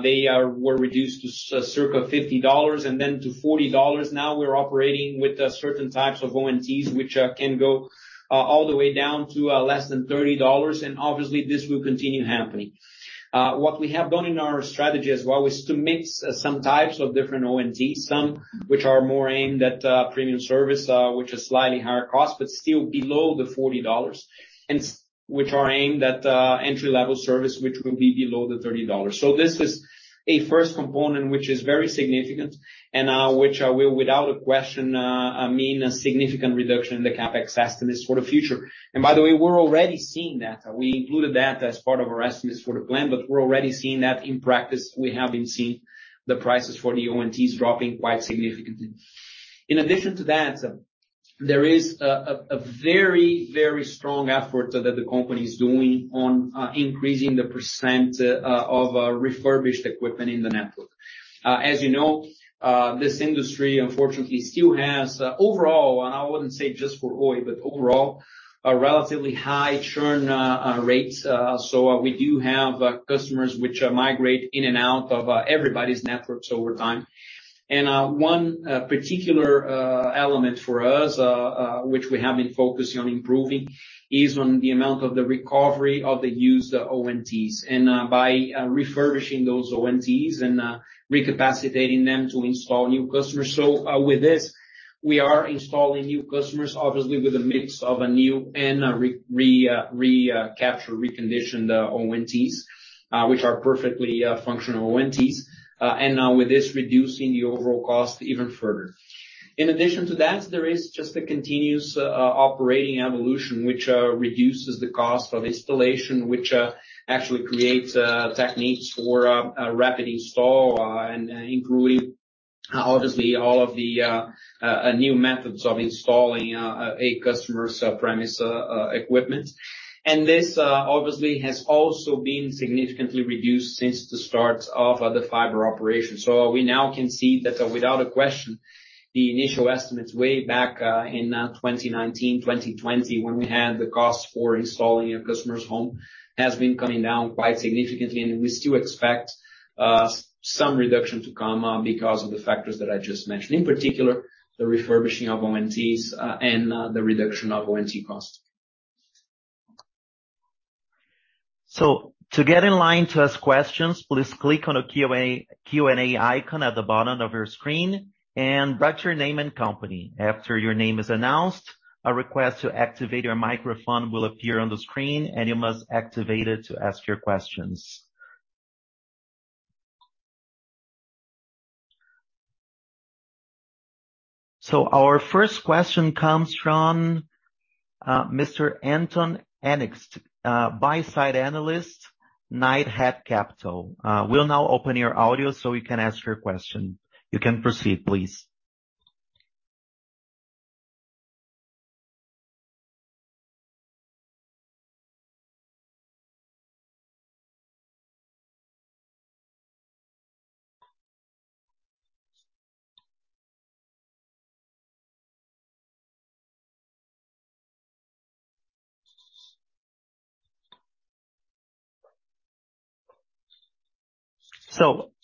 they were reduced to circa $50 and then to $40. Now we're operating with certain types of ONTs, which can go all the way down to less than $30, and obviously this will continue happening. What we have done in our strategy as well is to mix some types of different ONTs, some which are more aimed at premium service, which is slightly higher cost, but still below $40, and which are aimed at entry-level service, which will be below $30. This is a first component, which is very significant and which will, without a question, mean a significant reduction in the CapEx estimates for the future. By the way, we're already seeing that. We included that as part of our estimates for the plan, but we're already seeing that in practice. We have been seeing the prices for the ONTs dropping quite significantly. In addition to that, there is a very, very strong effort that the company is doing on increasing the percent of refurbished equipment in the network. As you know, this industry unfortunately still has overall, and I wouldn't say just for Oi, but overall, a relatively high churn rate. We do have customers which migrate in and out of everybody's networks over time. One particular element for us, which we have been focusing on improving, is on the amount of the recovery of the used ONTs, and by refurbishing those ONTs and recapacitating them to install new customers. With this, we are installing new customers, obviously with a mix of a new and a re-captured, reconditioned ONTs, which are perfectly functional ONTs, and with this reducing the overall cost even further. In addition to that, there is just a continuous operating evolution, which reduces the cost of installation, which actually creates techniques for a rapid install, and including Obviously, all of the new methods of installing a customer's premise equipment. This obviously has also been significantly reduced since the start of the fiber operation. We now can see that without a question, the initial estimates way back in 2019, 2020, when we had the cost for installing a customer's home, has been coming down quite significantly. We still expect some reduction to come because of the factors that I just mentioned, in particular, the refurbishing of OMTs, and the reduction of OMT costs. To get in line to ask questions, please click on the Q&A icon at the bottom of your screen and write your name and company. After your name is announced, a request to activate your microphone will appear on the screen, and you must activate it to ask your questions. Our first question comes from Mr. Anton Shvets, Buy-Side Analyst, Knighthead Capital. We'll now open your audio so you can ask your question. You can proceed, please.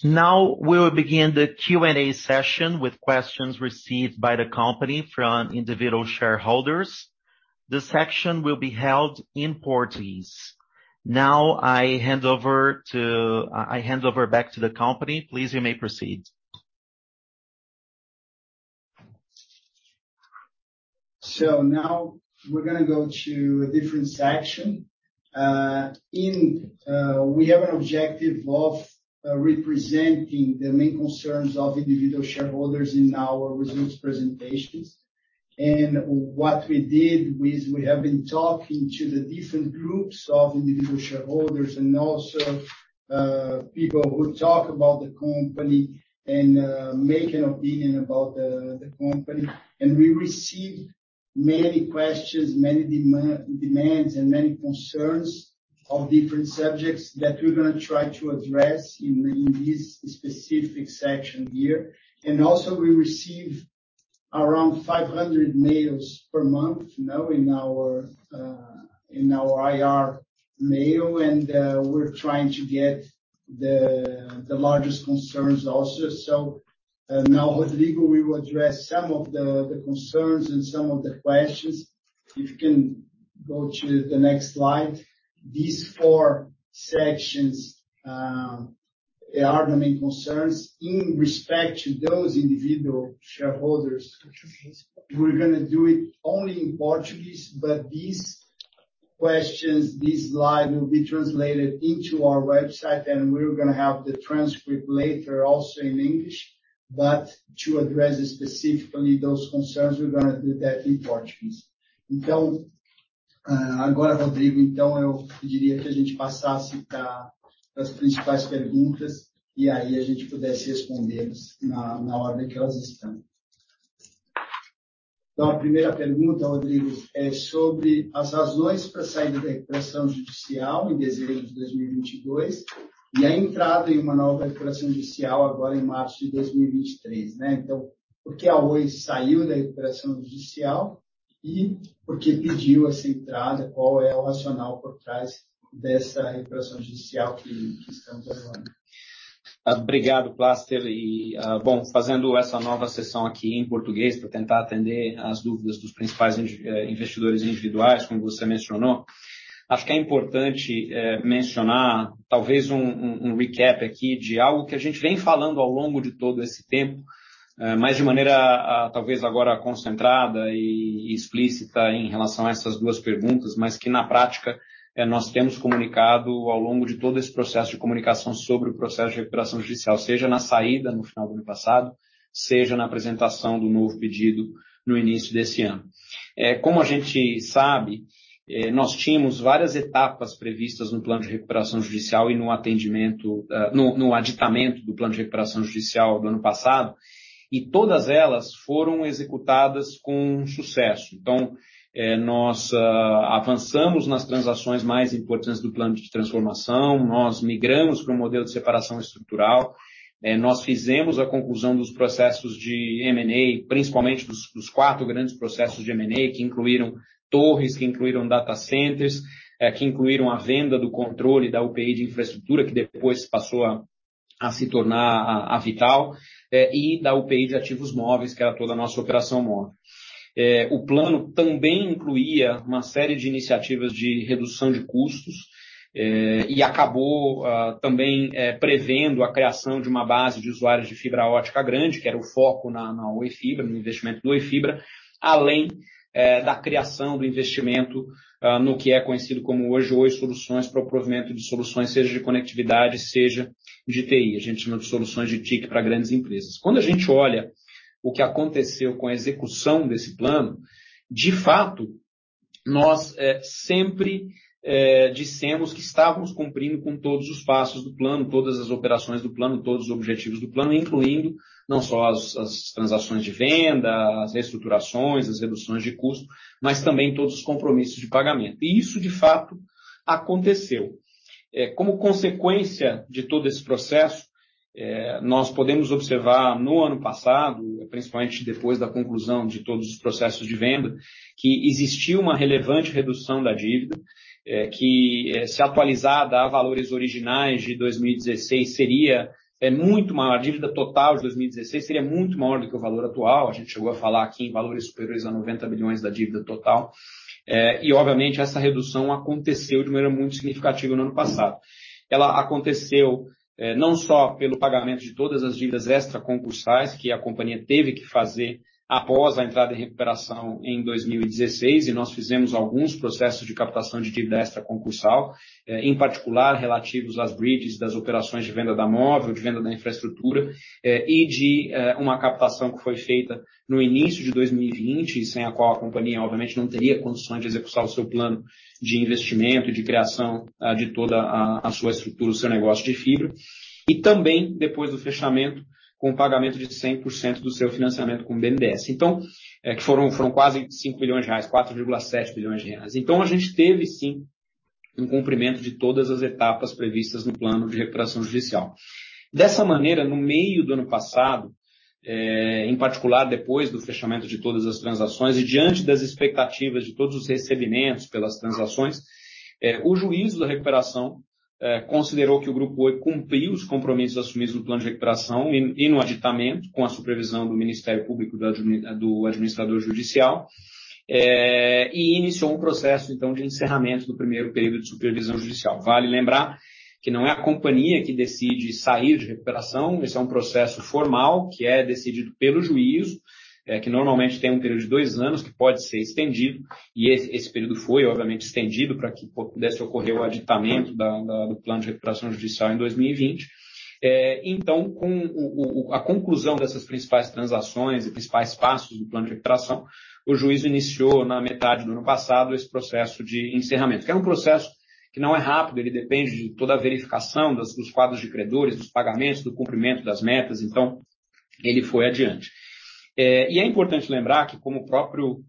Now we will begin the Q&A session with questions received by the company from individual shareholders. This section will be held in Portuguese. Now I hand over back to the company. Please, you may proceed. Now we're going to go to a different section. In, we have an objective of representing the main concerns of individual shareholders in our results presentations. What we did is we have been talking to the different groups of individual shareholders and also, people who talk about the company and make an opinion about the company. We received many questions, many demands, and many concerns of different subjects that we're going to try to address in this specific section here. Also, we receive around 500 mails per month now in our in our IR mail. We're trying to get the largest concerns also. Now with Rodrigo, we will address some of the concerns and some of the questions. If you can go to the next slide. These four sections are the main concerns in respect to those individual shareholders. We're gonna do it only in Portuguese, but these questions, this slide will be translated into our website, and we're gonna have the transcript later also in English. To address specifically those concerns, we're gonna do that in Portuguese. Agora Rodrigo, eu pediria que a gente passasse pra as principais perguntas e aí a gente pudesse respondê-las na ordem que elas estão. A primeira pergunta, Rodrigo, é sobre as razões pra saída da recuperação judicial em dezembro de 2022 e a entrada em uma nova recuperação judicial agora em março de 2023, né. Por que a Oi saiu da recuperação judicial e por que pediu essa entrada? Qual é o racional por trás dessa recuperação judicial que estamos agora? Obrigado, Plácido. Fazendo essa nova sessão aqui em português pra tentar atender as dúvidas dos principais investidores individuais, como você mencionou, acho que é importante mencionar talvez um recap aqui de algo que a gente vem falando ao longo de todo esse tempo, mas de maneira, talvez agora concentrada e explícita em relação a essas duas perguntas, mas que na prática, nós temos comunicado ao longo de todo esse processo de comunicação sobre o processo de recuperação judicial, seja na saída no final do ano passado, seja na apresentação do novo pedido no início desse ano. Como a gente sabe, nós tínhamos várias etapas previstas no plano de recuperação judicial e no atendimento no aditamento do plano de recuperação judicial do ano passado, todas elas foram executadas com sucesso. Nós avançamos nas transações mais importantes do plano de transformação. Nós migramos pra um modelo de separação estrutural. Nós fizemos a conclusão dos processos de M&A, principalmente dos 4 grandes processos de M&A, que incluíram torres, que incluíram data centers, que incluíram a venda do controle da UPI de infraestrutura, que depois passou a se tornar a V.tal, e da UPI de ativos móveis, que era toda a nossa operação móvel. O plano também incluía uma série de iniciativas de redução de custos, e acabou também prevendo a criação de uma base de usuários de fibra ótica grande, que era o foco na Oi Fibra, no investimento do Oi Fibra, além da criação do investimento no que é conhecido como hoje Oi Soluções pro provimento de soluções, seja de conectividade, seja de TI. A gente chama de soluções de TIC para grandes empresas. Quando a gente olha o que aconteceu com a execução desse plano, de fato. Nós sempre dissemos que estávamos cumprindo com todos os passos do plano, todas as operações do plano, todos os objetivos do plano, incluindo não só as transações de venda, as reestruturações, as reduções de custo, mas também todos os compromissos de pagamento. Isso, de fato, aconteceu. Como consequência de todo esse processo, nós podemos observar no ano passado, principalmente depois da conclusão de todos os processos de venda, que existiu uma relevante redução da dívida, que se atualizada a valores originais de 2016, seria muito maior. A dívida total de 2016 seria muito maior do que o valor atual. A gente chegou a falar aqui em valores superiores a 90 billion da dívida total. Obviamente essa redução aconteceu de maneira muito significativa no ano passado. Ela aconteceu não só pelo pagamento de todas as dívidas extraconcursais que a companhia teve que fazer após a entrada em recuperação em 2016, e nós fizemos alguns processos de captação de dívida extraconcursal, em particular relativos às bridges das operações de venda da móvel, de venda da infraestrutura, e de uma captação que foi feita no início de 2020 e sem a qual a companhia, obviamente, não teria condições de executar o seu plano de investimento e de criação de toda a sua estrutura, o seu negócio de fibra. Também depois do fechamento, com o pagamento de 100% do seu financiamento com o BNDES. Que foram quase 5 billion reais, 4.7 billion reais. A gente teve sim um cumprimento de todas as etapas previstas no Judicial Reorganization plan. Dessa maneira, no meio do ano passado, em particular depois do fechamento de todas as transações e diante das expectativas de todos os recebimentos pelas transações, o juízo da recuperação considerou que o grupo Oi cumpriu os compromissos assumidos no Judicial Reorganization plan e no aditamento, com a supervisão do Ministério Público do administrador judicial, e iniciou um processo então de encerramento do primeiro período de judicial supervision. Vale lembrar que não é a companhia que decide sair de Judicial Reorganization. Esse é um processo formal, que é decidido pelo juízo, que normalmente tem um período de 2 years, que pode ser estendido, e esse período foi obviamente estendido pra que pudesse ocorrer o aditamento do Judicial Reorganization plan em 2020. Com a conclusão dessas principais transações e principais passos do plano de recuperação, o juízo iniciou na metade do ano passado esse processo de encerramento, que é um processo que não é rápido. Ele depende de toda a verificação dos quadros de credores, dos pagamentos, do cumprimento das metas. Ele foi adiante. É importante lembrar que, como o próprio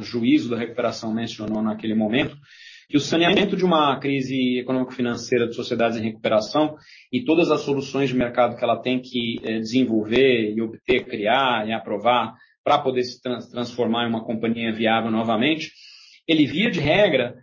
juízo da recuperação mencionou naquele momento, que o saneamento de uma crise econômico-financeira de sociedades em recuperação e todas as soluções de mercado que ela tem que desenvolver e obter, criar e aprovar pra poder se transformar em uma companhia viável novamente, ele, via de regra,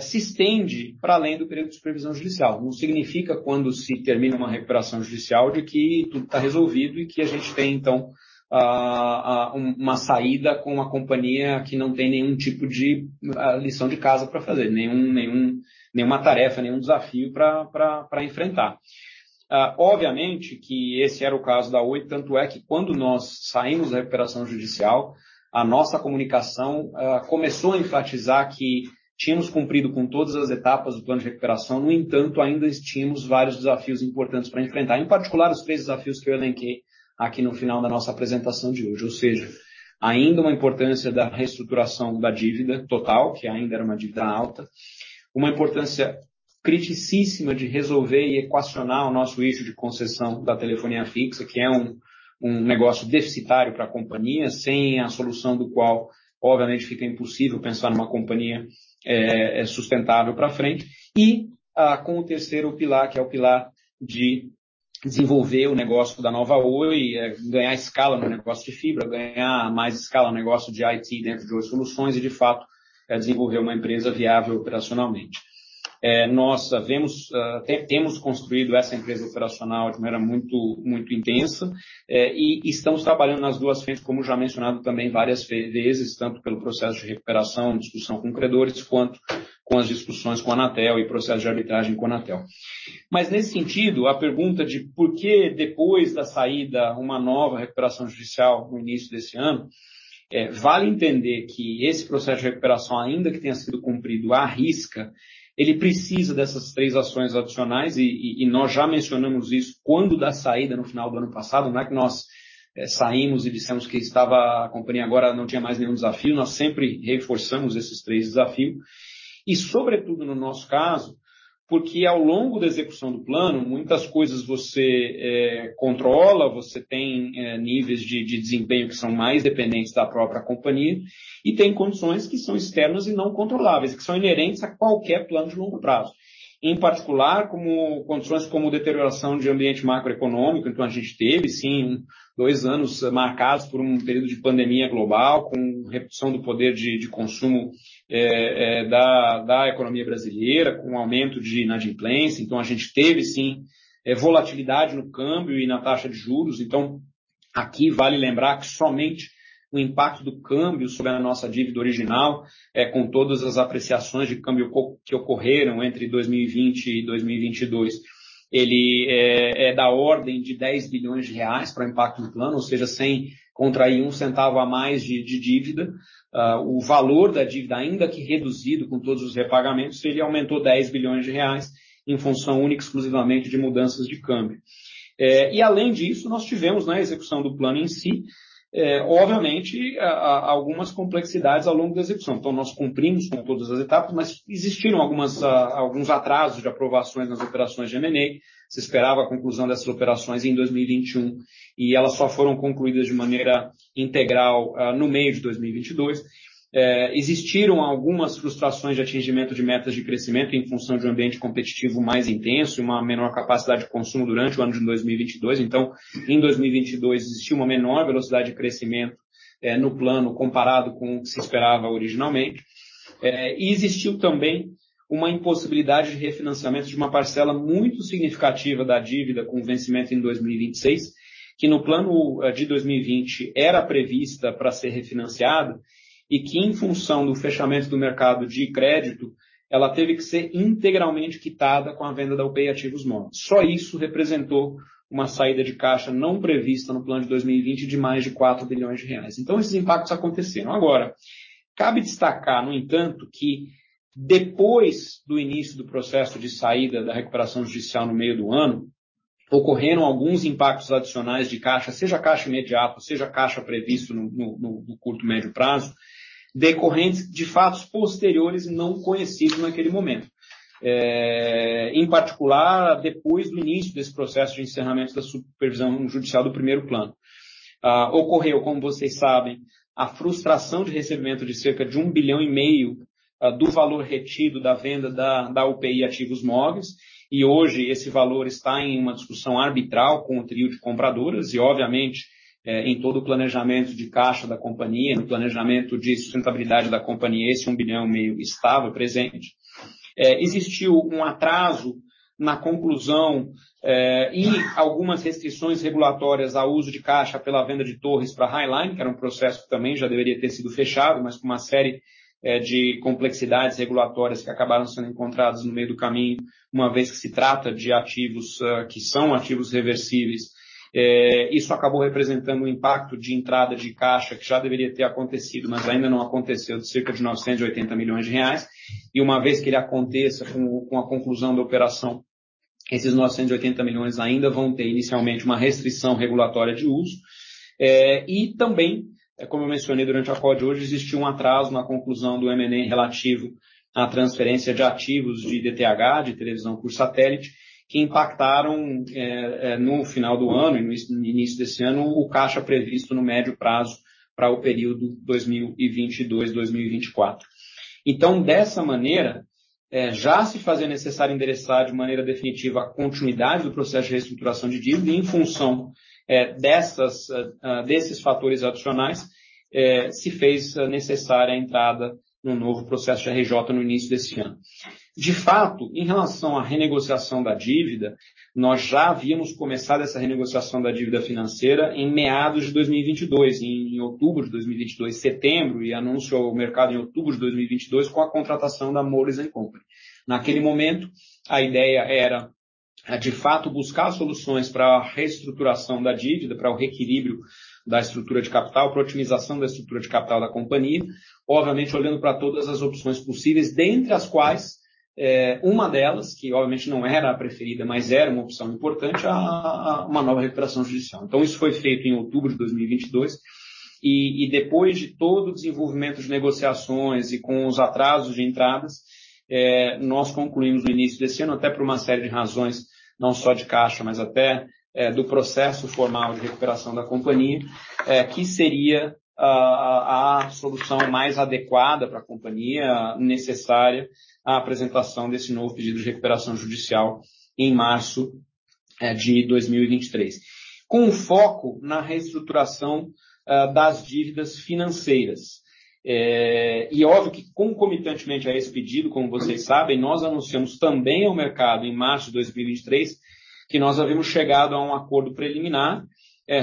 se estende pra além do período de supervisão judicial. Não significa, quando se termina uma recuperação judicial, de que tudo tá resolvido e que a gente tem então, a, uma saída com a companhia, que não tem nenhum tipo de lição de casa pra fazer, nenhuma tarefa, nenhum desafio pra enfrentar. Obviamente que esse era o caso da Oi, tanto é que quando nós saímos da recuperação judicial, a nossa comunicação começou a enfatizar que tínhamos cumprido com todas as etapas do plano de recuperação. Ainda tínhamos vários desafios importantes pra enfrentar, em particular os três desafios que eu elenquei aqui no final da nossa apresentação de hoje. Ou seja, ainda uma importância da reestruturação da dívida total, que ainda era uma dívida alta, uma importância criticíssima de resolver e equacionar o nosso issue de concessão da telefonia fixa, que é um negócio deficitário pra companhia sustentável pra frente. Com o terceiro pilar, que é o pilar de desenvolver o negócio da Nova Oi, ganhar escala no negócio de fibra, ganhar mais escala no negócio de IT dentro de soluções e, de fato, desenvolver uma empresa viável operacionalmente. Nós temos construído essa empresa operacional de maneira muito intensa, e estamos trabalhando nas duas frentes, como já mencionado também várias vezes, tanto pelo processo de recuperação, discussão com credores, quanto com as discussões com a Anatel e processo de arbitragem com a Anatel. Nesse sentido, a pergunta de por que depois da saída uma nova recuperação judicial no início desse ano, vale entender que esse processo de recuperação, ainda que tenha sido cumprido à risca, ele precisa dessas três ações adicionais. Nós já mencionamos isso quando da saída, no final do ano passado. Não é que nós saímos e dissemos que a companhia agora não tinha mais nenhum desafio. Nós sempre reforçamos esses três desafios e, sobretudo no nosso caso, porque ao longo da execução do plano, muitas coisas você controla. Você tem níveis de desempenho que são mais dependentes da própria companhia e tem condições que são externas e não controláveis, que são inerentes a qualquer plano de longo prazo, em particular como condições como deterioração de ambiente macroeconômico. A gente teve sim 2 anos marcados por um período de pandemia global, com redução do poder de consumo da economia brasileira, com aumento de inadimplência. A gente teve sim volatilidade no câmbio e na taxa de juros. Aqui vale lembrar que somente o impacto do câmbio sobre a nossa dívida original, com todas as apreciações de câmbio que ocorreram entre 2020 e 2022, ele da ordem de 10 billion reais para impacto no plano, ou seja, sem contrair 1 centavo a mais de dívida. O valor da dívida, ainda que reduzido com todos os repagamentos, ele aumentou 10 billion reais em função única e exclusivamente de mudanças de câmbio. E além disso, nós tivemos na execução do plano em si, obviamente, algumas complexidades ao longo da execução. Nós cumprimos com todas as etapas, mas existiram algumas alguns atrasos de aprovações nas operações de M&A. Se esperava a conclusão dessas operações em 2021 e elas só foram concluídas de maneira integral no meio de 2022. Existiram algumas frustrações de atingimento de metas de crescimento em função de um ambiente competitivo mais intenso e uma menor capacidade de consumo durante o ano de 2022. Em 2022 existiu uma menor velocidade de crescimento no plano, comparado com o que se esperava originalmente. E existiu também uma impossibilidade de refinanciamento de uma parcela muito significativa da dívida, com vencimento em 2026, que no plano de 2020 era prevista pra ser refinanciada e que, em função do fechamento do mercado de crédito, ela teve que ser integralmente quitada com a venda da UPI Ativos Móveis. Só isso representou uma saída de caixa não prevista no plano de 2020, de mais de 4 billion reais. Esses impactos aconteceram. Agora, cabe destacar, no entanto, que depois do início do processo de saída da Judicial Reorganization, no meio do ano, ocorreram alguns impactos adicionais de caixa, seja caixa imediato, seja caixa previsto no curto-médio prazo, decorrentes de fatos posteriores não conhecidos naquele momento. Em particular, depois do início desse processo de encerramento da supervisão judicial do primeiro plano. Ocorreu, como vocês sabem, a frustração de recebimento de cerca de 1.5 billion, do valor retido da venda da UPI Ativos Móveis, e hoje esse valor está em uma discussão arbitral com o trio de compradoras e, obviamente, em todo o planejamento de caixa da companhia, no planejamento de sustentabilidade da companhia, esse 1.5 billion estava presente. Existiu um atraso na conclusão, e algumas restrições regulatórias ao uso de caixa pela venda de torres para Highline, que era um processo que também já deveria ter sido fechado, mas com uma série de complexidades regulatórias que acabaram sendo encontradas no meio do caminho, uma vez que se trata de ativos que são ativos reversíveis. Isso acabou representando um impacto de entrada de caixa que já deveria ter acontecido, mas ainda não aconteceu, de cerca de 980 million reais. Uma vez que ele aconteça com a conclusão da operação, esses 980 million ainda vão ter inicialmente uma restrição regulatória de uso. Também, como eu mencionei durante a call de hoje, existiu um atraso na conclusão do M&A relativo à transferência de ativos de DTH, de televisão por satélite, que impactaram no final do ano e no início desse ano, o caixa previsto no médio prazo pra o período 2022-2024. Dessa maneira, já se fazia necessário endereçar de maneira definitiva a continuidade do processo de reestruturação de dívida em função dessas, desses fatores adicionais, se fez necessária a entrada no novo processo de RJ no início desse ano. De fato, em relação à renegociação da dívida, nós já havíamos começado essa renegociação da dívida financeira em meados de 2022, em outubro de 2022, setembro, e anúncio ao mercado em outubro de 2022, com a contratação da Moelis & Company. Naquele momento, a ideia era, de fato buscar soluções pra reestruturação da dívida, pra o reequilíbrio da estrutura de capital, pra otimização da estrutura de capital da companhia, obviamente olhando pra todas as opções possíveis, dentre as quais, uma delas, que obviamente não era a preferida, mas era uma opção importante, uma nova recuperação judicial. Isso foi feito em outubro de 2022 e depois de todo o desenvolvimento de negociações e com os atrasos de entradas, nós concluímos no início desse ano, até por uma série de razões, não só de caixa, mas até, do processo formal de recuperação da companhia, que seria a solução mais adequada pra companhia, necessária a apresentação desse novo pedido de recuperação judicial em março de 2023, com foco na reestruturação, das dívidas financeiras. Óbvio que concomitantemente a esse pedido, como vocês sabem, nós anunciamos também ao mercado, em março de 2023, que nós havíamos chegado a um acordo preliminar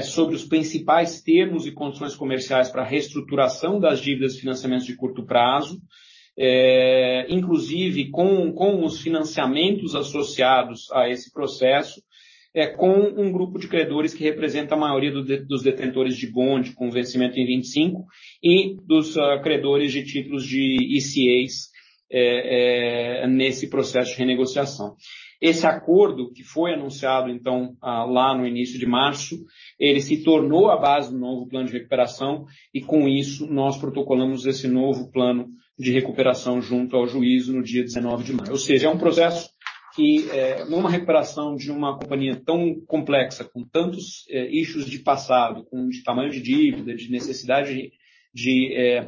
sobre os principais termos e condições comerciais pra reestruturação das dívidas de financiamentos de curto prazo, inclusive com os financiamentos associados a esse processo, com um grupo de credores que representa a maioria dos detentores de bond com vencimento em 2025 e dos credores de títulos de ECA nesse processo de renegociação. Esse acordo, que foi anunciado então lá no início de março, ele se tornou a base do novo plano de recuperação e com isso nós protocolamos esse novo plano de recuperação junto ao juízo no dia 19 de maio. É um processo que, numa recuperação de uma companhia tão complexa, com tantos ichos de passado, com tamanho de dívida, de necessidade de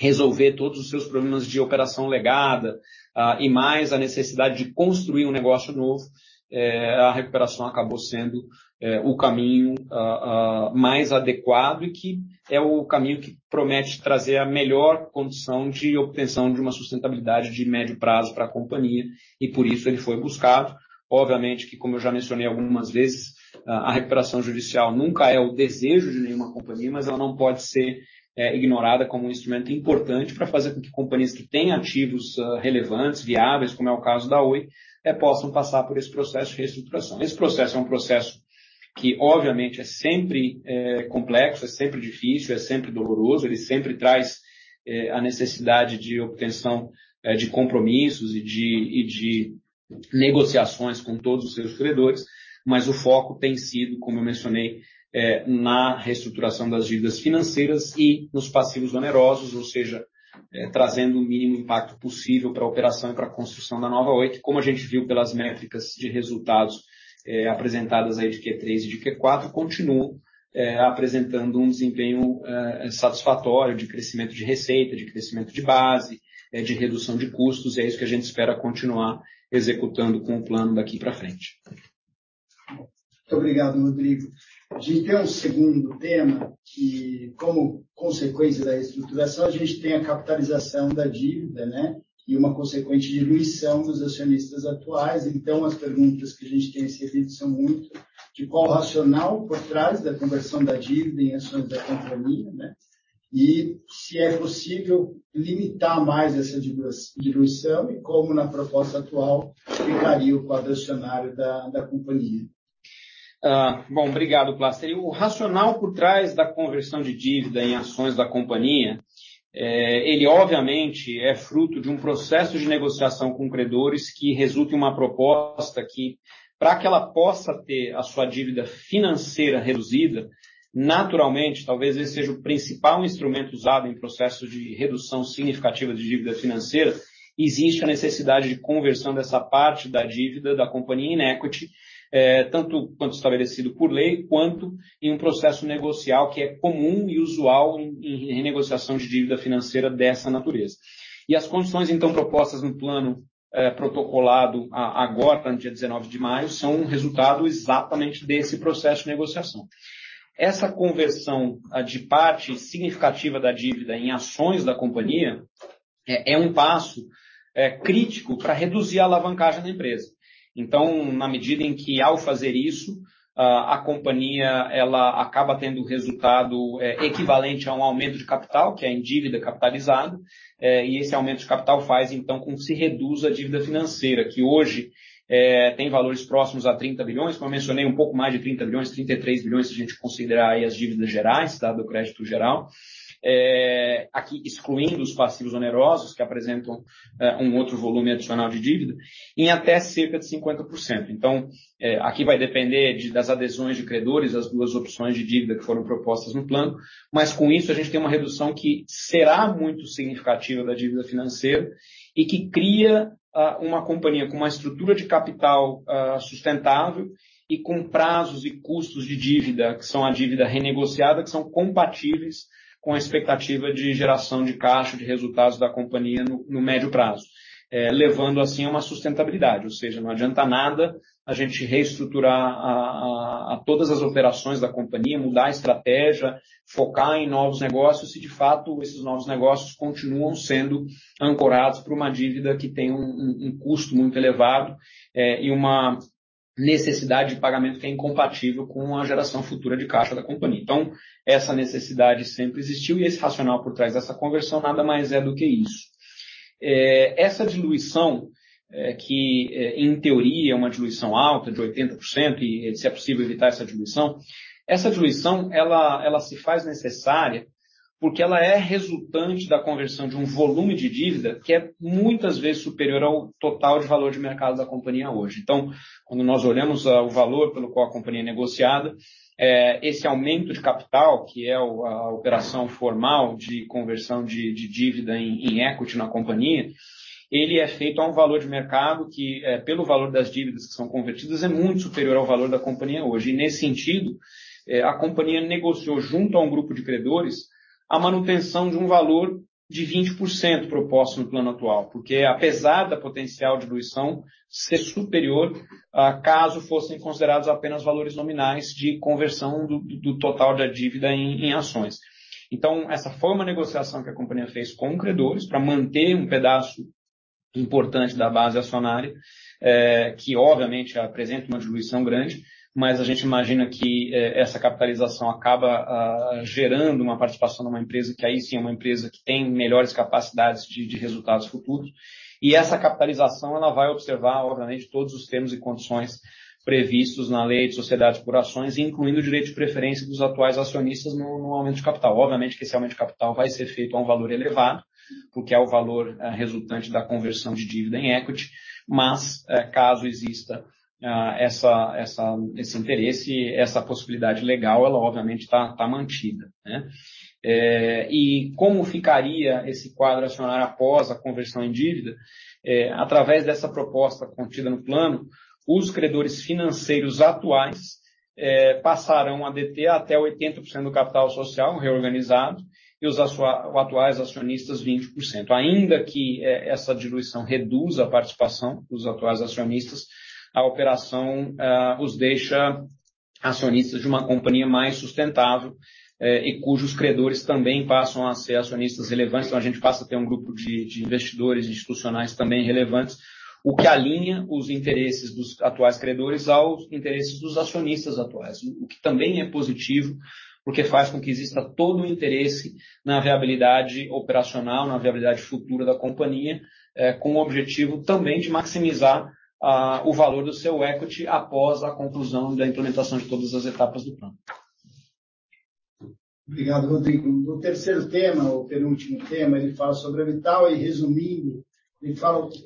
resolver todos os seus problemas de operação legada, e mais a necessidade de construir um negócio novo, a recuperação acabou sendo o caminho mais adequado e que é o caminho que promete trazer a melhor condição de obtenção de uma sustentabilidade de médio prazo pra companhia e por isso ele foi buscado. Obviamente que, como eu já mencionei algumas vezes, a recuperação judicial nunca é o desejo de nenhuma companhia, mas ela não pode ser ignorada como um instrumento importante pra fazer com que companhias que têm ativos relevantes, viáveis, como é o caso da Oi, possam passar por esse processo de reestruturação. Esse processo é um processo que, obviamente, é sempre complexo, é sempre difícil, é sempre doloroso. Ele sempre traz a necessidade de obtenção de compromissos e de Negociações com todos os seus credores, mas o foco tem sido, como eu mencionei, na reestruturação das dívidas financeiras e nos passivos onerosos, ou seja, trazendo o mínimo impacto possível pra operação e pra construção da Nova Oi, como a gente viu pelas métricas de resultados apresentadas aí de Q3 e de Q4, continuam apresentando um desempenho satisfatório de crescimento de receita, de crescimento de base, de redução de custos, e é isso que a gente espera continuar executando com o plano daqui pra frente. Muito obrigado, Rodrigo. A gente tem um segundo tema, que como consequência da reestruturação, a gente tem a capitalização da dívida, né? Uma consequente diluição dos acionistas atuais. As perguntas que a gente tem recebido são muito: de qual o racional por trás da conversão da dívida em ações da companhia, né? Se é possível limitar mais essa diluição e como na proposta atual ficaria o quadro acionário da companhia. Bom, obrigado, Plácido. O racional por trás da conversão de dívida em ações da companhia, ele obviamente é fruto de um processo de negociação com credores que resulta em uma proposta que pra que ela possa ter a sua dívida financeira reduzida, naturalmente, talvez esse seja o principal instrumento usado em processos de redução significativa de dívida financeira, existe a necessidade de conversão dessa parte da dívida da companhia em equity, tanto quanto estabelecido por lei, quanto em um processo negocial que é comum e usual em renegociação de dívida financeira dessa natureza. As condições então propostas no plano, protocolado agora, no dia 19 de maio, são resultado exatamente desse processo de negociação. Essa conversão de parte significativa da dívida em ações da companhia, é um passo crítico pra reduzir a alavancagem da empresa. Na medida em que ao fazer isso, a companhia, ela acaba tendo resultado, equivalente a um aumento de capital, que é em dívida capitalizado, e esse aumento de capital faz com que se reduza a dívida financeira, que hoje, tem valores próximos a 30 billion, como eu mencionei, um pouco mais de 30 billion, 33 billion, se a gente considerar aí as dívidas gerais, tá? Do crédito geral. Aqui excluindo os passivos onerosos, que apresentam, um outro volume adicional de dívida, em até cerca de 50%. Aqui vai depender das adesões de credores, as duas opções de dívida que foram propostas no plano, mas com isso a gente tem uma redução que será muito significativa da dívida financeira e que cria uma companhia com uma estrutura de capital sustentável e com prazos e custos de dívida, que são a dívida renegociada, que são compatíveis com a expectativa de geração de caixa, de resultados da companhia no médio prazo. Levando assim a uma sustentabilidade, ou seja, não adianta nada a gente reestruturar todas as operações da companhia, mudar a estratégia, focar em novos negócios, se de fato esses novos negócios continuam sendo ancorados por uma dívida que tem um custo muito elevado e uma necessidade de pagamento que é incompatível com a geração futura de caixa da companhia. Essa necessidade sempre existiu e esse racional por trás dessa conversão nada mais é do que isso. Essa diluição, que, em teoria, é uma diluição alta, de 80%, e se é possível evitar essa diluição. Essa diluição, ela se faz necessária porque ela é resultante da conversão de um volume de dívida que é muitas vezes superior ao total de valor de mercado da companhia hoje. Quando nós olhamos o valor pelo qual a companhia é negociada, esse aumento de capital, que é a operação formal de conversão de dívida em equity na companhia, ele é feito a um valor de mercado que, pelo valor das dívidas que são convertidas, é muito superior ao valor da companhia hoje. Nesse sentido, a companhia negociou junto a um grupo de credores a manutenção de um valor de 20% proposto no plano atual, porque apesar da potencial diluição ser superior a caso fossem considerados apenas valores nominais de conversão do total da dívida em ações. Essa foi uma negociação que a companhia fez com credores pra manter um pedaço importante da base acionária, que obviamente apresenta uma diluição grande, mas a gente imagina que essa capitalização acaba gerando uma participação numa empresa, que aí sim, é uma empresa que tem melhores capacidades de resultados futuros. Essa capitalização, ela vai observar, obviamente, todos os termos e condições previstos na Lei das Sociedades por Ações, incluindo o direito de preferência dos atuais acionistas no aumento de capital. Obviamente que esse aumento de capital vai ser feito a um valor elevado, porque é o valor resultante da conversão de dívida em equity, caso exista essa, esse interesse, essa possibilidade legal, ela obviamente tá mantida, né? Como ficaria esse quadro acionário após a conversão em dívida? Através dessa proposta contida no plano, os credores financeiros atuais passarão a deter até 80% do capital social reorganizado e os atuais acionistas, 20%. Ainda que essa diluição reduza a participação dos atuais acionistas, a operação os deixa acionistas de uma companhia mais sustentável, cujos credores também passam a ser acionistas relevantes. A gente passa a ter um grupo de investidores institucionais também relevantes, o que alinha os interesses dos atuais credores aos interesses dos acionistas atuais, o que também é positivo, porque faz com que exista todo o interesse na viabilidade operacional, na viabilidade futura da companhia, com o objetivo também de maximizar o valor do seu equity após a conclusão da implementação de todas as etapas do plano. Obrigado, Rodrigo. O terceiro tema ou penúltimo tema, ele fala sobre a V.tal e resumindo,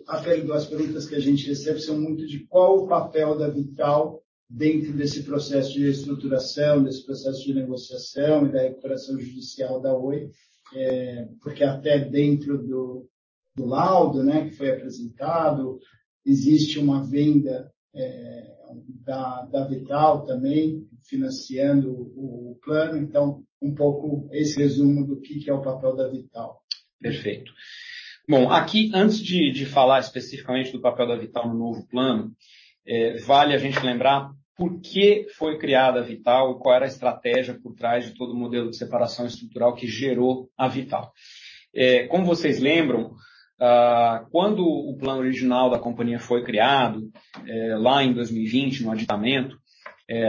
até duas perguntas que a gente recebe são muito de qual o papel da V.tal dentro desse processo de reestruturação, desse processo de negociação e da recuperação judicial da Oi. É, porque até dentro do laudo, né, que foi apresentado, existe uma venda, é, da V.tal também financiando o plano. Então um pouco esse resumo do que que é o papel da V.tal. Perfeito. Aqui antes de falar especificamente do papel da V.tal no novo plano, vale a gente lembrar por que foi criada a V.tal e qual era a estratégia por trás de todo o modelo de separação estrutural que gerou a V.tal. Como vocês lembram, quando o plano original da companhia foi criado, lá em 2020, no aditamento,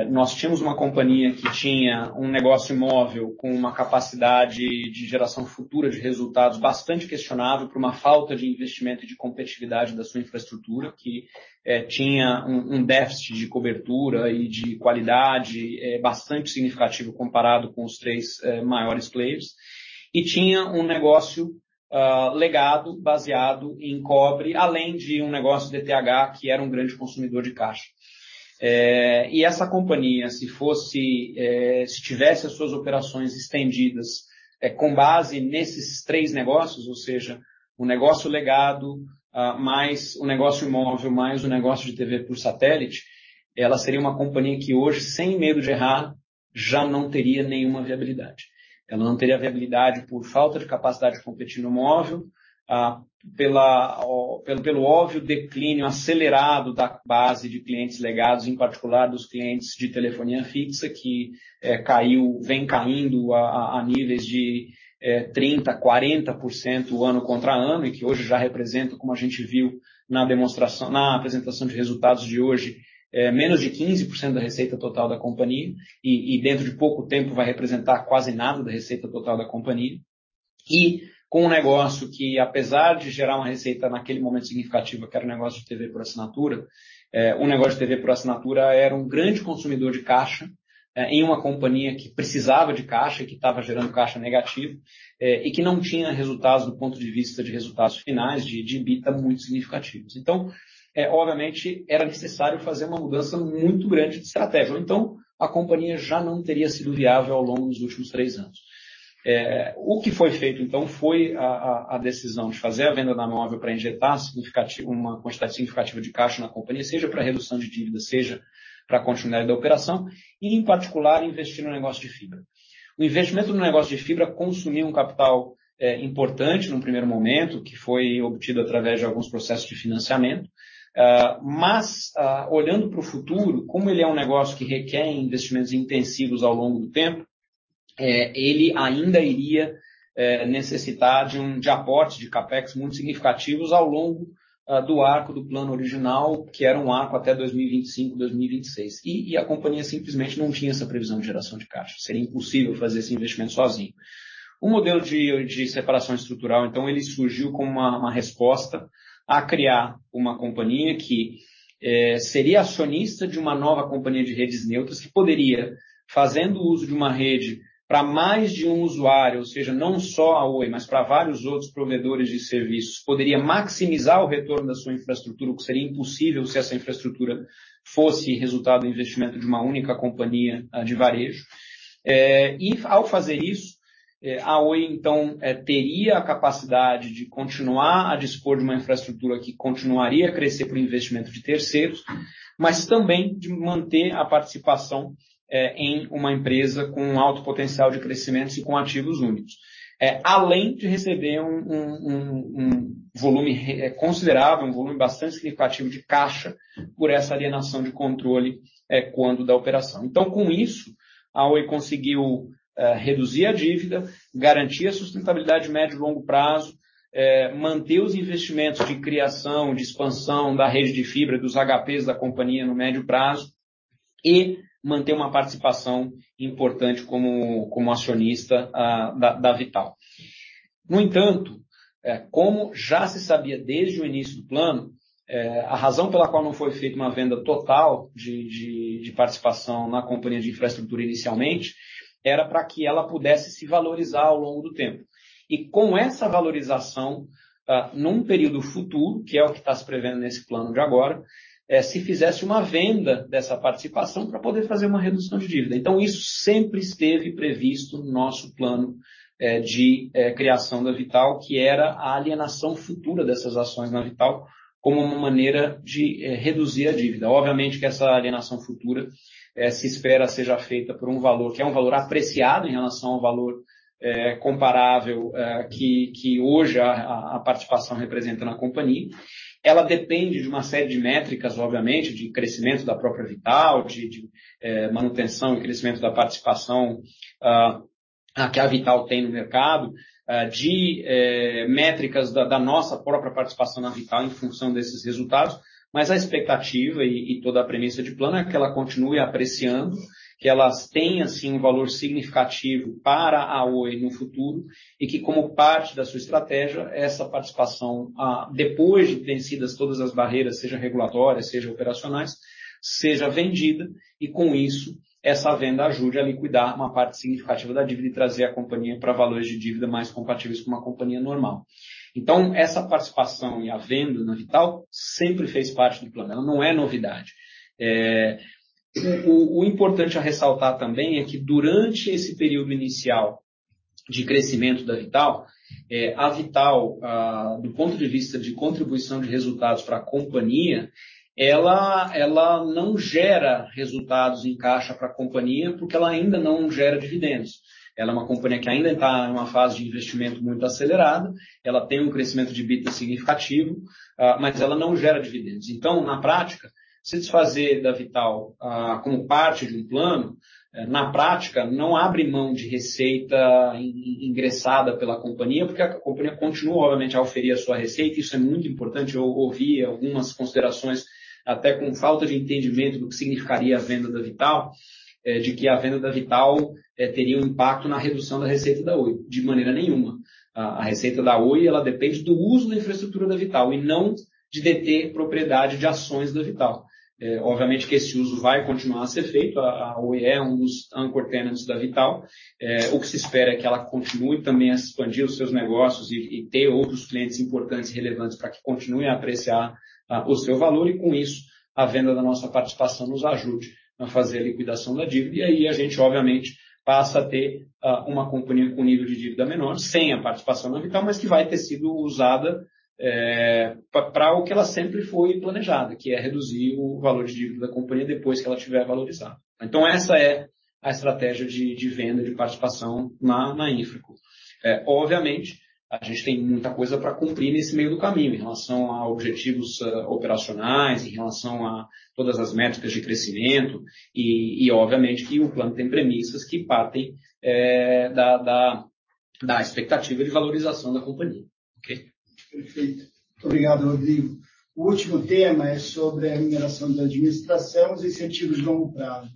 nós tínhamos uma companhia que tinha um negócio mobile, com uma capacidade de geração futura de resultados bastante questionável por uma falta de investimento e de competitividade da sua infraestrutura, que tinha um déficit de cobertura e de qualidade bastante significativo comparado com os 3 maiores players. Tinha um negócio legado baseado em cobre, além de um negócio de DTH, que era um grande consumidor de caixa. Essa companhia, se tivesse as suas operações estendidas, com base nesses três negócios, ou seja, o negócio legado, mais o negócio imóvel, mais o negócio de TV por satélite, ela seria uma companhia que hoje, sem medo de errar, já não teria nenhuma viabilidade. Ela não teria viabilidade por falta de capacidade de competir no móvel, pelo óbvio declínio acelerado da base de clientes legados, em particular dos clientes de telefonia fixa, que caiu, vem caindo a níveis de 30, 40% ano contra ano, que hoje já representa, como a gente viu na apresentação de resultados de hoje, menos de 15% da receita total da companhia e dentro de pouco tempo vai representar quase nada da receita total da companhia. Com o negócio que, apesar de gerar uma receita naquele momento significativa, que era o negócio de TV por assinatura, o negócio de TV por assinatura era um grande consumidor de caixa, em uma companhia que precisava de caixa, que tava gerando caixa negativo, e que não tinha resultados do ponto de vista de resultados finais, de EBITDA muito significativos. Obviamente, era necessário fazer uma mudança muito grande de estratégia, ou então a companhia já não teria sido viável ao longo dos últimos três anos. O que foi feito, foi a decisão de fazer a venda da móvel pra injetar uma quantidade significativa de caixa na companhia, seja pra redução de dívida, seja pra continuidade da operação e, em particular, investir no negócio de fibra. O investimento no negócio de fibra consumiu um capital importante num primeiro momento, que foi obtido através de alguns processos de financiamento. Olhando pro futuro, como ele é um negócio que requer investimentos intensivos ao longo do tempo, ele ainda iria necessitar de aporte de CapEx muito significativos ao longo do arco do plano original, que era um arco até 2025, 2026, a companhia simplesmente não tinha essa previsão de geração de caixa. Seria impossível fazer esse investimento sozinho. O modelo de separação estrutural, ele surgiu como uma resposta a criar uma companhia que seria acionista de uma nova companhia de redes neutras, que poderia, fazendo o uso de uma rede pra mais de um usuário, ou seja, não só a Oi, mas pra vários outros provedores de serviços, poderia maximizar o retorno da sua infraestrutura, o que seria impossível se essa infraestrutura fosse resultado do investimento de uma única companhia de varejo. Ao fazer isso, a Oi então, teria a capacidade de continuar a dispor de uma infraestrutura que continuaria a crescer por investimento de terceiros, mas também de manter a participação em uma empresa com alto potencial de crescimentos e com ativos únicos. Além de receber um volume considerável, um volume bastante significativo de caixa por essa alienação de controle, quando da operação. Com isso, a Oi conseguiu reduzir a dívida, garantir a sustentabilidade de médio e longo prazo, manter os investimentos de criação, de expansão da rede de fibra e dos HPs da companhia no médio prazo e manter uma participação importante como acionista da V.tal. Como já se sabia desde o início do plano, a razão pela qual não foi feita uma venda total de participação na companhia de infraestrutura inicialmente, era pra que ela pudesse se valorizar ao longo do tempo. Com essa valorização, num período futuro, que é o que tá se prevendo nesse plano de agora, se fizesse uma venda dessa participação pra poder fazer uma redução de dívida. Isso sempre esteve previsto no nosso plano de criação da V.tal, que era a alienação futura dessas ações na V.tal, como uma maneira de reduzir a dívida. Obviamente que essa alienação futura, se espera seja feita por um valor que é um valor apreciado em relação ao valor comparável, que hoje a participação representa na companhia. Ela depende de uma série de métricas, obviamente, de crescimento da própria V.tal, de manutenção e crescimento da participação que a V.tal tem no mercado, de métricas da nossa própria participação na V.tal, em função desses resultados. A expectativa e toda a premissa de plano é que ela continue apreciando, que elas tenham, sim, um valor significativo para a Oi no futuro e que, como parte da sua estratégia, essa participação, depois de vencidas todas as barreiras, seja regulatórias, seja operacionais, seja vendida e com isso, essa venda ajude a liquidar uma parte significativa da dívida e trazer a companhia para valores de dívida mais compatíveis com uma companhia normal. Essa participação e a venda na V.tal sempre fez parte do plano. Ela não é novidade. O importante a ressaltar também é que durante esse período inicial de crescimento da V.tal, a V.tal, do ponto de vista de contribuição de resultados para companhia, ela não gera resultados em caixa para companhia, porque ela ainda não gera dividendos. Ela é uma companhia que ainda tá numa fase de investimento muito acelerada. Ela tem um crescimento de EBITDA significativo, mas ela não gera dividendos. Na prática, se desfazer da V.tal, como parte de um plano, é, na prática, não abre mão de receita ingressada pela companhia, porque a companhia continua obviamente a auferir a sua receita e isso é muito importante. Eu ouvi algumas considerações, até com falta de entendimento do que significaria a venda da V.tal, é, de que a venda da V.tal, é, teria um impacto na redução da receita da Oi. De maneira nenhuma. A receita da Oi ela depende do uso da infraestrutura da V.tal e não de deter propriedade de ações da V.tal. É, obviamente que esse uso vai continuar a ser feito. A Oi é um dos anchor tenants da V.tal. O que se espera é que ela continue também a expandir os seus negócios e ter outros clientes importantes e relevantes pra que continuem a apreciar o seu valor e com isso, a venda da nossa participação nos ajude a fazer a liquidação da dívida. Aí a gente obviamente passa a ter uma companhia com nível de dívida menor, sem a participação na V.tal, mas que vai ter sido usada pra o que ela sempre foi planejada, que é reduzir o valor de dívida da companhia depois que ela tiver valorizado. Essa é a estratégia de venda de participação na InfraCo. obviamente, a gente tem muita coisa pra cumprir nesse meio do caminho, em relação a objetivos, operacionais, em relação a todas as métricas de crescimento e obviamente que o plano tem premissas que partem da expectativa de valorização da companhia, ok? Perfeito. Obrigado, Rodrigo. O último tema é sobre a remuneração da administração e os incentivos de longo prazo,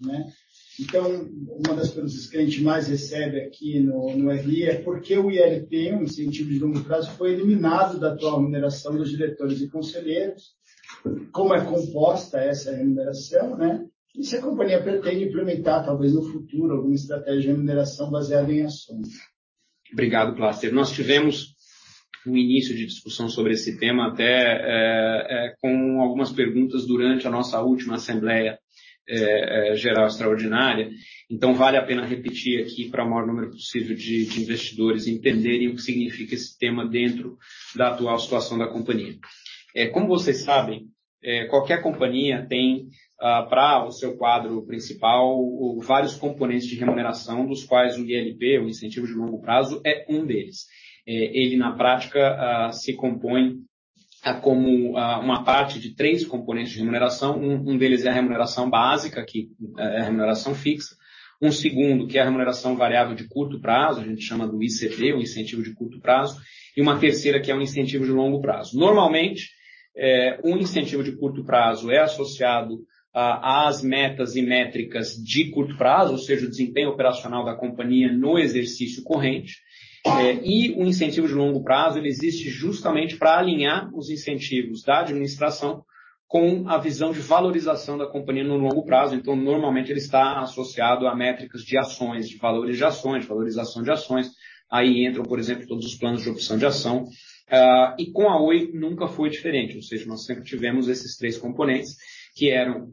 né? Uma das perguntas que a gente mais recebe aqui no RI é por que o ILP, o Incentivo de Longo Prazo, foi eliminado da atual remuneração dos diretores e conselheiros? Como é composta essa remuneração, né? Se a companhia pretende implementar, talvez no futuro, alguma estratégia de remuneração baseada em ações. Obrigado, Plácido. Nós tivemos um início de discussão sobre esse tema até com algumas perguntas durante a nossa última assembleia geral extraordinária. Vale a pena repetir aqui pra maior número possível de investidores entenderem o que significa esse tema dentro da atual situação da companhia. Como vocês sabem, qualquer companhia tem pra o seu quadro principal, vários componentes de remuneração, dos quais o ILP, o Incentivo de Longo Prazo, é um deles. Ele, na prática, se compõe como uma parte de três componentes de remuneração. Um deles é a remuneração básica, que é a remuneração fixa. Um segundo, que é a remuneração variável de curto prazo, a gente chama do ICP, o Incentivo de Curto Prazo, e uma terceira, que é o Incentivo de Longo Prazo. Normalmente, é, o incentivo de curto prazo é associado à, às metas e métricas de curto prazo, ou seja, o desempenho operacional da companhia no exercício corrente. É, e o Incentivo de Longo Prazo, ele existe justamente pra alinhar os incentivos da administração com a visão de valorização da companhia no longo prazo. normalmente ele está associado a métricas de ações, de valores de ações, valorização de ações. Aí entram, por exemplo, todos os planos de opção de ação. com a Oi nunca foi diferente, ou seja, nós sempre tivemos esses três componentes, que eram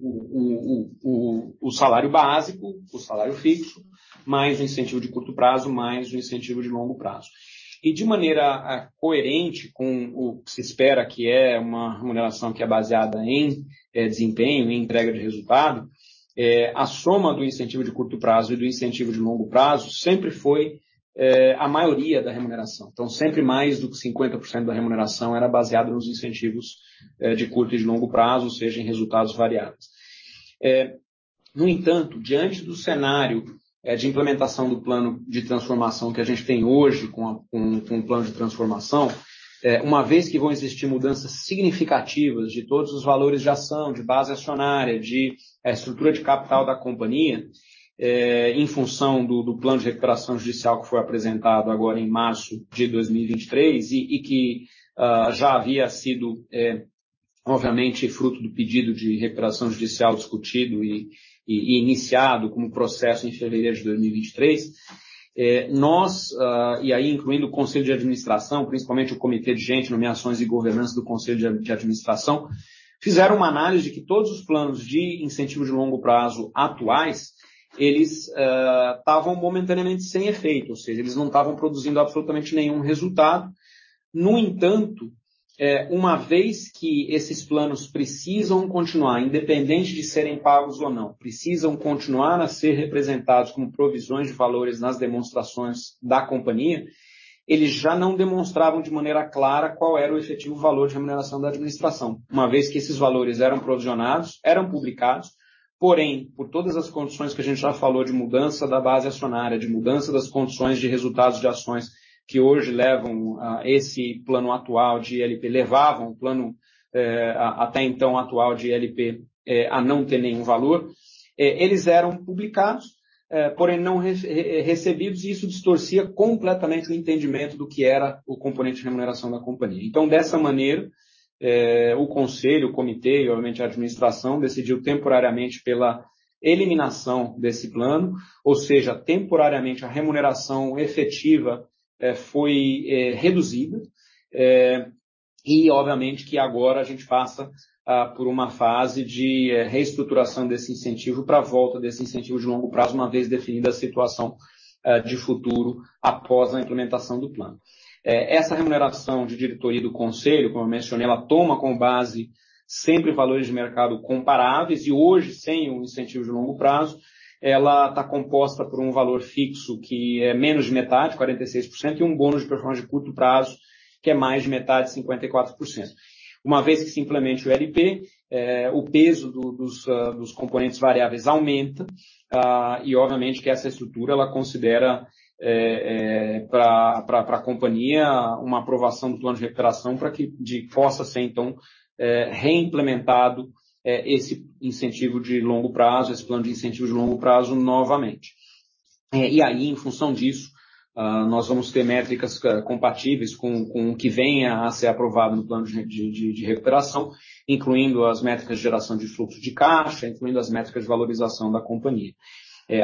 o salário básico, o salário fixo, mais o incentivo de curto prazo, mais o incentivo de longo prazo. De maneira coerente com o que se espera, que é uma remuneração que é baseada em desempenho, em entrega de resultado, a soma do incentivo de curto prazo e do incentivo de longo prazo sempre foi a maioria da remuneração. Sempre mais do que 50% da remuneração era baseada nos incentivos de curto e de longo prazo, ou seja, em resultados variáveis. No entanto, diante do cenário de implementação do plano de transformação que a gente tem hoje com o plano de transformação, uma vez que vão existir mudanças significativas de todos os valores de ação, de base acionária, de estrutura de capital da companhia, em função do plano de recuperação judicial que foi apresentado agora em março de 2023 e que já havia sido, obviamente, fruto do pedido de recuperação judicial discutido e iniciado como processo em fevereiro de 2023, nós, e aí incluindo o Conselho de Administração, principalmente o Comitê de Gente, Nomeações e Governança do Conselho de Administração, fizeram uma análise que todos os planos de incentivo de longo prazo atuais, eles tavam momentaneamente sem efeito, ou seja, eles não tavam produzindo absolutamente nenhum resultado. Uma vez que esses planos precisam continuar, independente de serem pagos ou não, precisam continuar a ser representados como provisões de valores nas demonstrações da companhia, eles já não demonstravam de maneira clara qual era o efetivo valor de remuneração da administração, uma vez que esses valores eram provisionados, eram publicados, porém, por todas as condições que a gente já falou, de mudança da base acionária, de mudança das condições de resultados de ações que hoje levam esse plano atual de ILP levavam o plano até então atual de ILP a não ter nenhum valor. Eles eram publicados, porém não recebidos, e isso distorcia completamente o entendimento do que era o componente de remuneração da companhia. Dessa maneira, o conselho, o comitê e obviamente a administração decidiu temporariamente pela eliminação desse plano. Ou seja, temporariamente a remuneração efetiva foi reduzida. Obviamente que agora a gente passa por uma fase de reestruturação desse incentivo pra volta desse incentivo de longo prazo, uma vez definida a situação de futuro após a implementação do plano. Essa remuneração de diretoria e do conselho, como eu mencionei, ela toma como base sempre valores de mercado comparáveis e hoje, sem o incentivo de longo prazo, ela tá composta por um valor fixo que é menos de metade, 46%, e um bônus de performance de curto prazo, que é mais de metade, 54%. Uma vez que se implemente o LP, o peso dos componentes variáveis aumenta. Obviamente que essa estrutura ela considera pra companhia uma aprovação do plano de recuperação pra que possa ser então reimplementado esse incentivo de longo prazo, esse plano de incentivo de longo prazo novamente. Em função disso, nós vamos ter métricas compatíveis com o que venha a ser aprovado no plano de recuperação, incluindo as métricas de geração de fluxo de caixa, incluindo as métricas de valorização da companhia.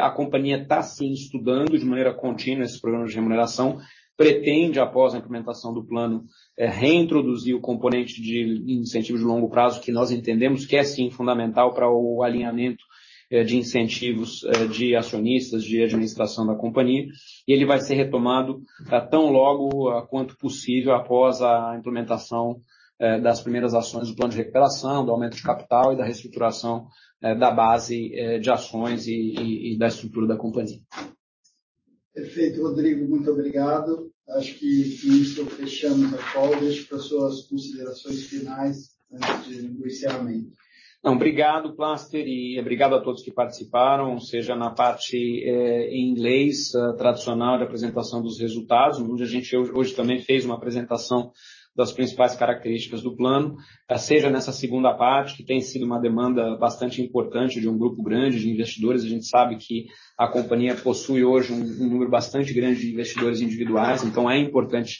A companhia tá sim estudando de maneira contínua esse programa de remuneração. Pretende, após a implementação do plano, reintroduzir o componente de incentivo de longo prazo, que nós entendemos que é sim fundamental pra o alinhamento de incentivos de acionistas, de administração da companhia. ele vai ser retomado tão logo quanto possível após a implementação das primeiras ações do plano de recuperação, do aumento de capital e da reestruturação da base de ações e da estrutura da companhia. Perfeito, Rodrigo, muito obrigado. Acho que com isso estou fechando a call. Deixo pras suas considerações finais antes de iniciarmos. ster, e obrigado a todos que participaram, seja na parte, em inglês, tradicional de apresentação dos resultados, onde a gente hoje também fez uma apresentação das principais características do plano, seja nessa segunda parte, que tem sido uma demanda bastante importante de um grupo grande de investidores. A gente sabe que a companhia possui hoje um número bastante grande de investidores individuais, então é importante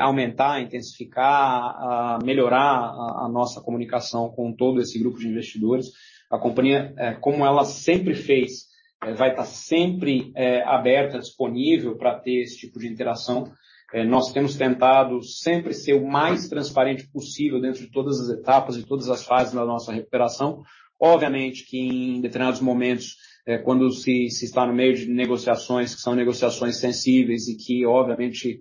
aumentar, intensificar, melhorar a nossa comunicação com todo esse grupo de investidores. A companhia, como ela sempre fez, vai estar sempre aberta, disponível para ter esse tipo de interação. Nós temos tentado sempre ser o mais transparente possível dentro de todas as etapas, de todas as fases da nossa recuperação. Obviamente que em determinados momentos, quando se está no meio de negociações que são negociações sensíveis e que obviamente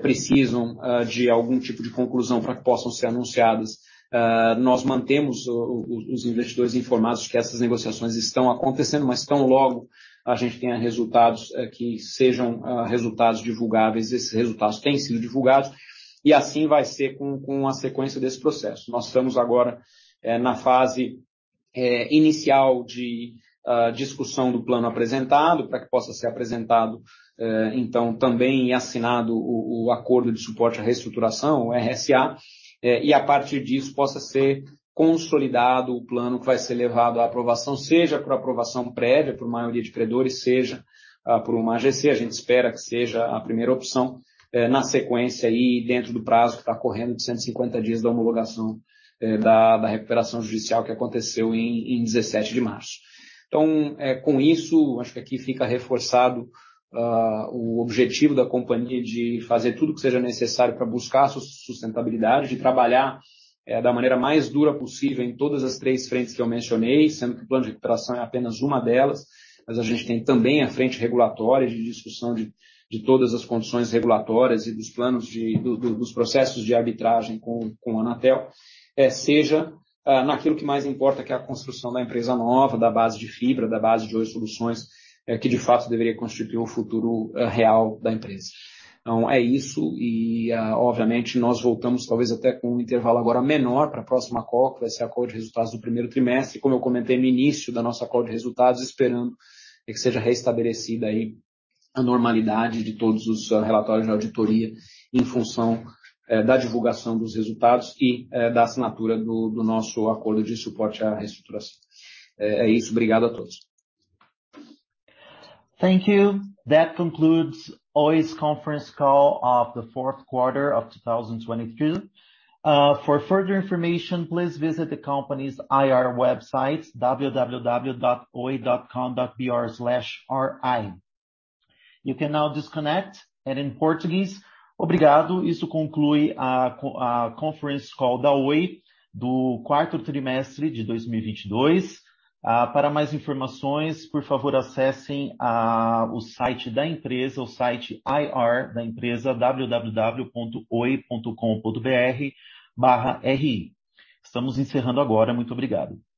precisam de algum tipo de conclusão pra que possam ser anunciadas, nós mantemos os investidores informados que essas negociações estão acontecendo, mas tão logo a gente tenha resultados que sejam resultados divulgáveis, esses resultados têm sido divulgados e assim vai ser com a sequência desse processo. Nós estamos agora na fase inicial de discussão do plano apresentado, pra que possa ser apresentado então também e assinado o acordo de suporte à reestruturação, o RSA, e a partir disso possa ser consolidado o plano que vai ser levado à aprovação, seja por aprovação prévia, por maioria de credores, seja por uma AGC. A gente espera que seja a primeira opção, na sequência aí dentro do prazo que tá correndo de 150 dias da homologação, da Recuperação Judicial que aconteceu em 17 de março. Com isso, acho que aqui fica reforçado o objetivo da companhia de fazer tudo que seja necessário pra buscar sustentabilidade, de trabalhar da maneira mais dura possível em todas as três frentes que eu mencionei, sendo que o plano de recuperação é apenas uma delas, mas a gente tem também a frente regulatória de discussão de todas as condições regulatórias e dos planos dos processos de arbitragem com a Anatel, seja naquilo que mais importa, que é a construção da empresa nova, da base de fibra, da base de outras soluções, que de fato deveria constituir o futuro real da empresa. É isso e, é, obviamente, nós voltamos talvez até com um intervalo agora menor pra próxima call, que vai ser a call de resultados do primeiro trimestre, como eu comentei no início da nossa call de resultados, esperando que seja restabelecida aí a normalidade de todos os relatórios de auditoria em função, é, da divulgação dos resultados e, é, da assinatura do nosso acordo de suporte à reestruturação. É isso. Obrigado a todos. Thank you. That concludes Oi's conference call of the fourth quarter of 2022. For further information, please visit the company's IR website www.oi.com.br/ri. You can now disconnect. In Portuguese: obrigado, isso conclui a conference call da Oi do quarto trimestre de 2022. Para mais informações, por favor, acessem a, o site da empresa, o site IR da empresa www.oi.com.br/ri. Estamos encerrando agora. Muito obrigado.